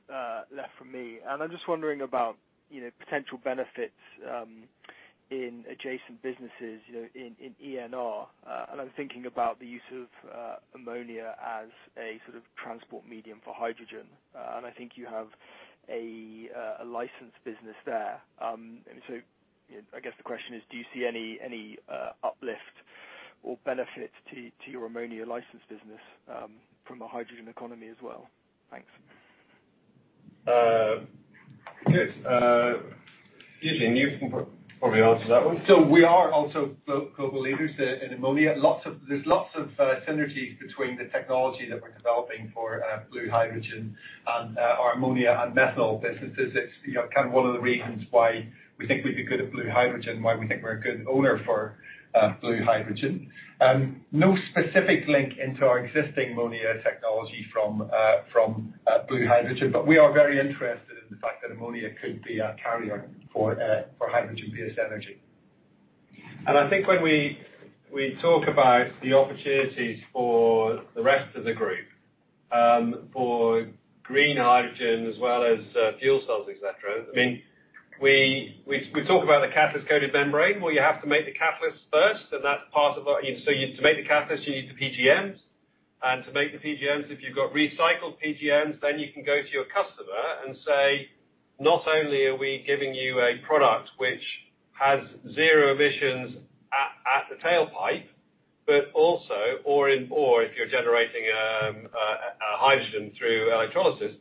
Speaker 16: left from me. I'm just wondering about potential benefits in adjacent businesses, in ENR. I'm thinking about the use of ammonia as a sort of transport medium for hydrogen. I think you have a license business there. I guess the question is, do you see any uplift or benefit to your ammonia license business from a hydrogen economy as well, and you can probably answer that one.
Speaker 5: We are also global leaders in ammonia. There's lots of synergies between the technology that we're developing for blue hydrogen and our ammonia and methanol businesses. It's one of the reasons why we think we'd be good at blue hydrogen, why we think we're a good owner for blue hydrogen. No specific link into our existing ammonia technology from blue hydrogen. We are very interested in the fact that ammonia could be a carrier for hydrogen-based energy.
Speaker 3: I think when we talk about the opportunities for the rest of the group, for green hydrogen as well as fuel cells, et cetera, we talk about the catalyst-coated membrane. You have to make the catalyst first, and that's part of our. To make the catalyst, you need the PGMs. To make the PGMs, if you've got recycled PGMs, then you can go to your customer and say, not only are we giving you a product which has zero emissions at the tailpipe, or if you're generating hydrogen through electrolysis,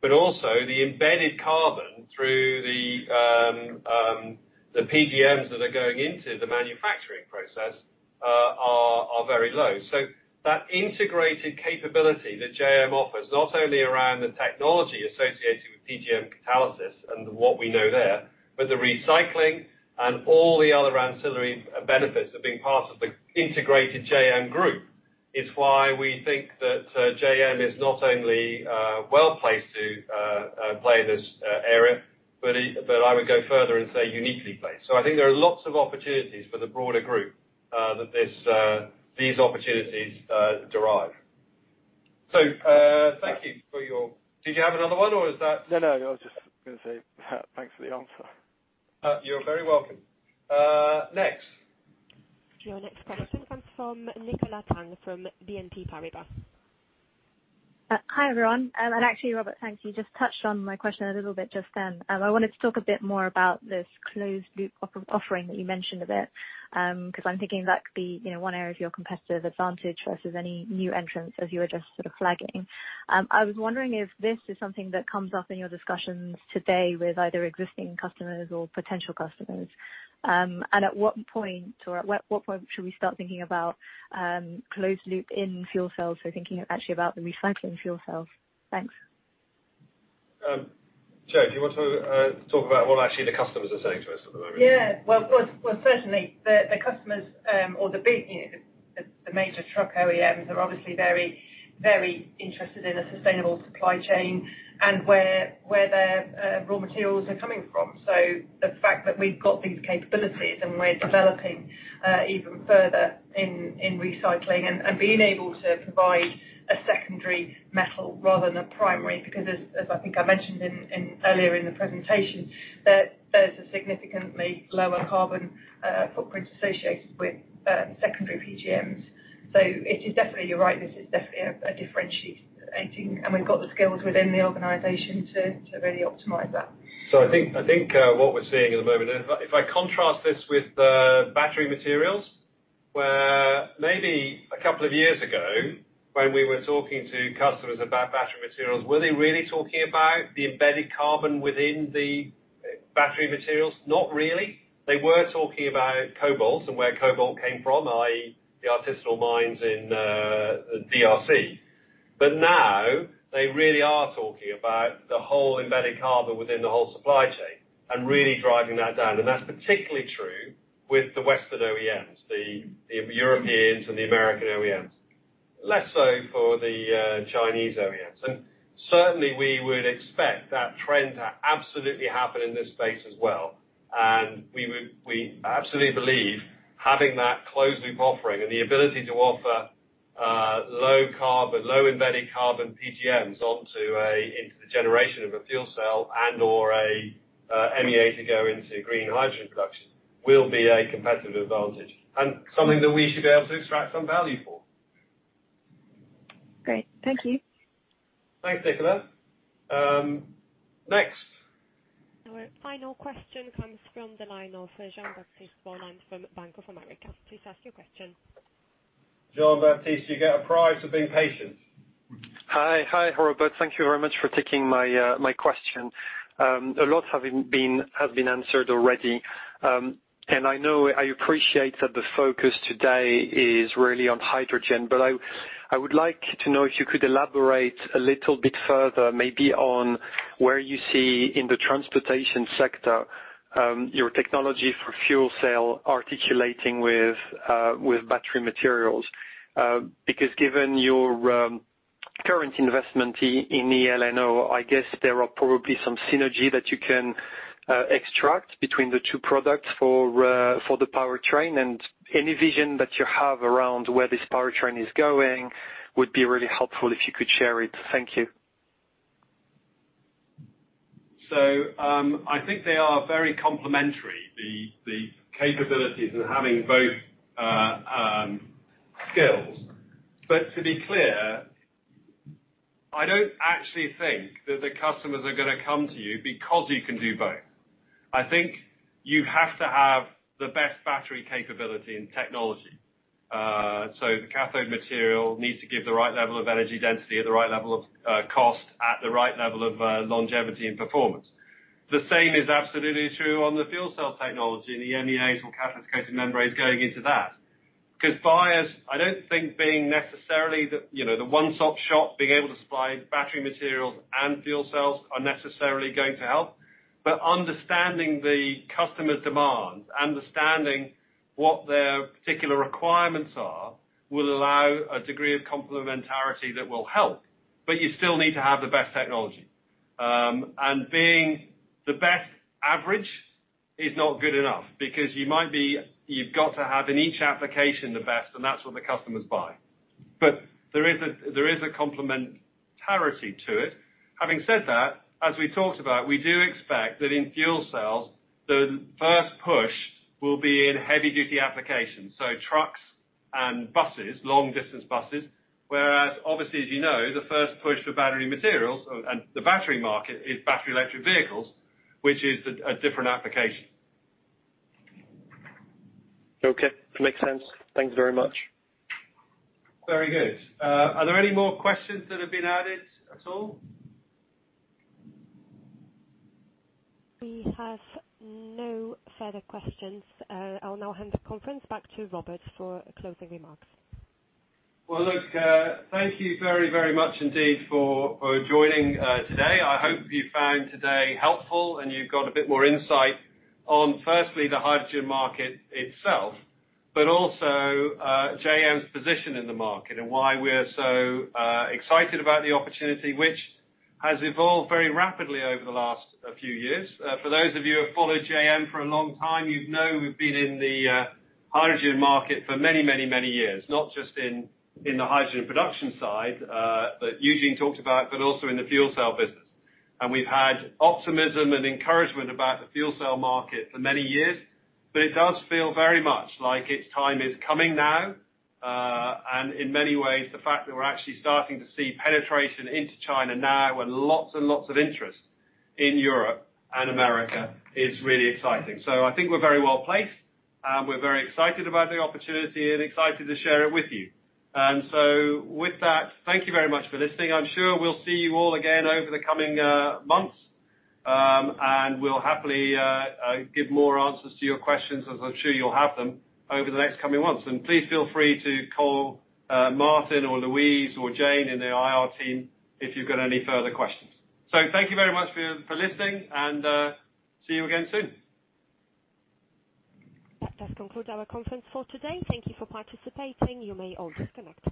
Speaker 3: but also the embedded carbon through the PGMs that are going into the manufacturing process are very low. That integrated capability that J.M. offers, not only around the technology associated with PGM catalysis and what we know there, but the recycling and all the other ancillary benefits of being part of the integrated J.M. Group, is why we think that J.M. Is not only well-placed to play this area, but I would go further and say uniquely placed. I think there are lots of opportunities for the broader group that these opportunities derive. Did you have another one or is that?
Speaker 16: No, I was just going to say thanks for the answer.
Speaker 3: You're very welcome. Next.
Speaker 1: Your next question comes from Nicola Tang, from BNP Paribas.
Speaker 17: Hi, everyone. Actually, Robert, thanks. You just touched on my question a little bit just then. I wanted to talk a bit more about this closed-loop offering that you mentioned a bit, because I'm thinking that could be one area of your competitive advantage versus any new entrants as you were just flagging. I was wondering if this is something that comes up in your discussions today with either existing customers or potential customers. At what point should we start thinking about closed loop in fuel cells? Thinking actually about the recycling of fuel cells. Thanks.
Speaker 3: Jo, do you want to talk about what actually the customers are saying to us at the moment?
Speaker 4: Certainly the customers or the major truck OEMs are obviously very interested in a sustainable supply chain and where their raw materials are coming from. The fact that we've got these capabilities and we're developing even further in recycling and being able to provide a secondary metal rather than a primary, because as I think I mentioned earlier in the presentation, there's a significantly lower carbon footprint associated with secondary PGMs. You're right, this is definitely differentiating, and we've got the skills within the organization to really optimize that.
Speaker 3: I think what we're seeing at the moment, if I contrast this with battery materials, where maybe a couple of years ago when we were talking to customers about battery materials, were they really talking about the embedded carbon within the battery materials? Not really. They were talking about cobalt and where cobalt came from, i.e., the artisanal mines in DRC. Now they really are talking about the whole embedded carbon within the whole supply chain and really driving that down. That's particularly true with the Western OEMs, the Europeans and the American OEMs. Less so for the Chinese OEMs. Certainly, we would expect that trend to absolutely happen in this space as well. We absolutely believe having that closed-loop offering and the ability to offer low embedded carbon PGMs into the generation of a fuel cell and/or a MEA to go into green hydrogen production will be a competitive advantage and something that we should be able to extract some value for.
Speaker 17: Great. Thank you.
Speaker 3: Thanks, Nicola. Next.
Speaker 1: Our final question comes from the line of Jean-Baptiste Rolland from Bank of America. Please ask your question.
Speaker 3: Jean-Baptiste, you get a prize for being patient.
Speaker 18: Hi, Robert. Thank you very much for taking my question. A lot has been answered already. I know I appreciate that the focus today is really on hydrogen. I would like to know if you could elaborate a little bit further, maybe on where you see in the transportation sector, your technology for fuel cell articulating with battery materials. Given your current investment in eLNO, I guess there are probably some synergy that you can extract between the two products for the powertrain. Any vision that you have around where this powertrain is going would be really helpful if you could share it. Thank you.
Speaker 3: I think they are very complementary, the capabilities and having both skills. To be clear, I don't actually think that the customers are going to come to you because you can do both. I think you have to have the best battery capability and technology. The cathode material needs to give the right level of energy density at the right level of cost, at the right level of longevity and performance. The same is absolutely true on the fuel cell technology and the MEAs or catalyst-coated membranes going into that. Buyers, I don't think being necessarily the one-stop shop, being able to supply battery materials and fuel cells are necessarily going to help. Understanding the customer's demands, understanding what their particular requirements are, will allow a degree of complementarity that will help. You still need to have the best technology. Being the best average is not good enough because you've got to have in each application the best, and that's what the customers buy. There is a complementarity to it. Having said that, as we talked about, we do expect that in fuel cells, the first push will be in heavy-duty applications, so trucks and buses, long-distance buses. Obviously, as you know, the first push for battery materials and the battery market is battery electric vehicles, which is a different application.
Speaker 18: Okay. Makes sense. Thanks very much.
Speaker 3: Very good. Are there any more questions that have been added at all?
Speaker 1: We have no further questions. I'll now hand the conference back to Robert for closing remarks.
Speaker 3: Well, look, thank you very, very much indeed for joining today. I hope you found today helpful and you got a bit more insight on, firstly, the hydrogen market itself, but also J.M.'s position in the market and why we are so excited about the opportunity, which has evolved very rapidly over the last few years. For those of you who have followed J.M. for a long time, you know we've been in the hydrogen market for many years, not just in the hydrogen production side that Eugene talked about, but also in the fuel cell business. We've had optimism and encouragement about the fuel cell market for many years, but it does feel very much like its time is coming now. In many ways, the fact that we're actually starting to see penetration into China now and lots and lots of interest in Europe and America is really exciting. I think we're very well-placed. We're very excited about the opportunity and excited to share it with you. With that, thank you very much for listening. I'm sure we'll see you all again over the coming months. We'll happily give more answers to your questions as I'm sure you'll have them over the next coming months. Please feel free to call Martin or Louise or Jane in the IR team if you've got any further questions. Thank you very much for listening, and see you again soon.
Speaker 1: That does conclude our conference for today. Thank you for participating. You may all disconnect.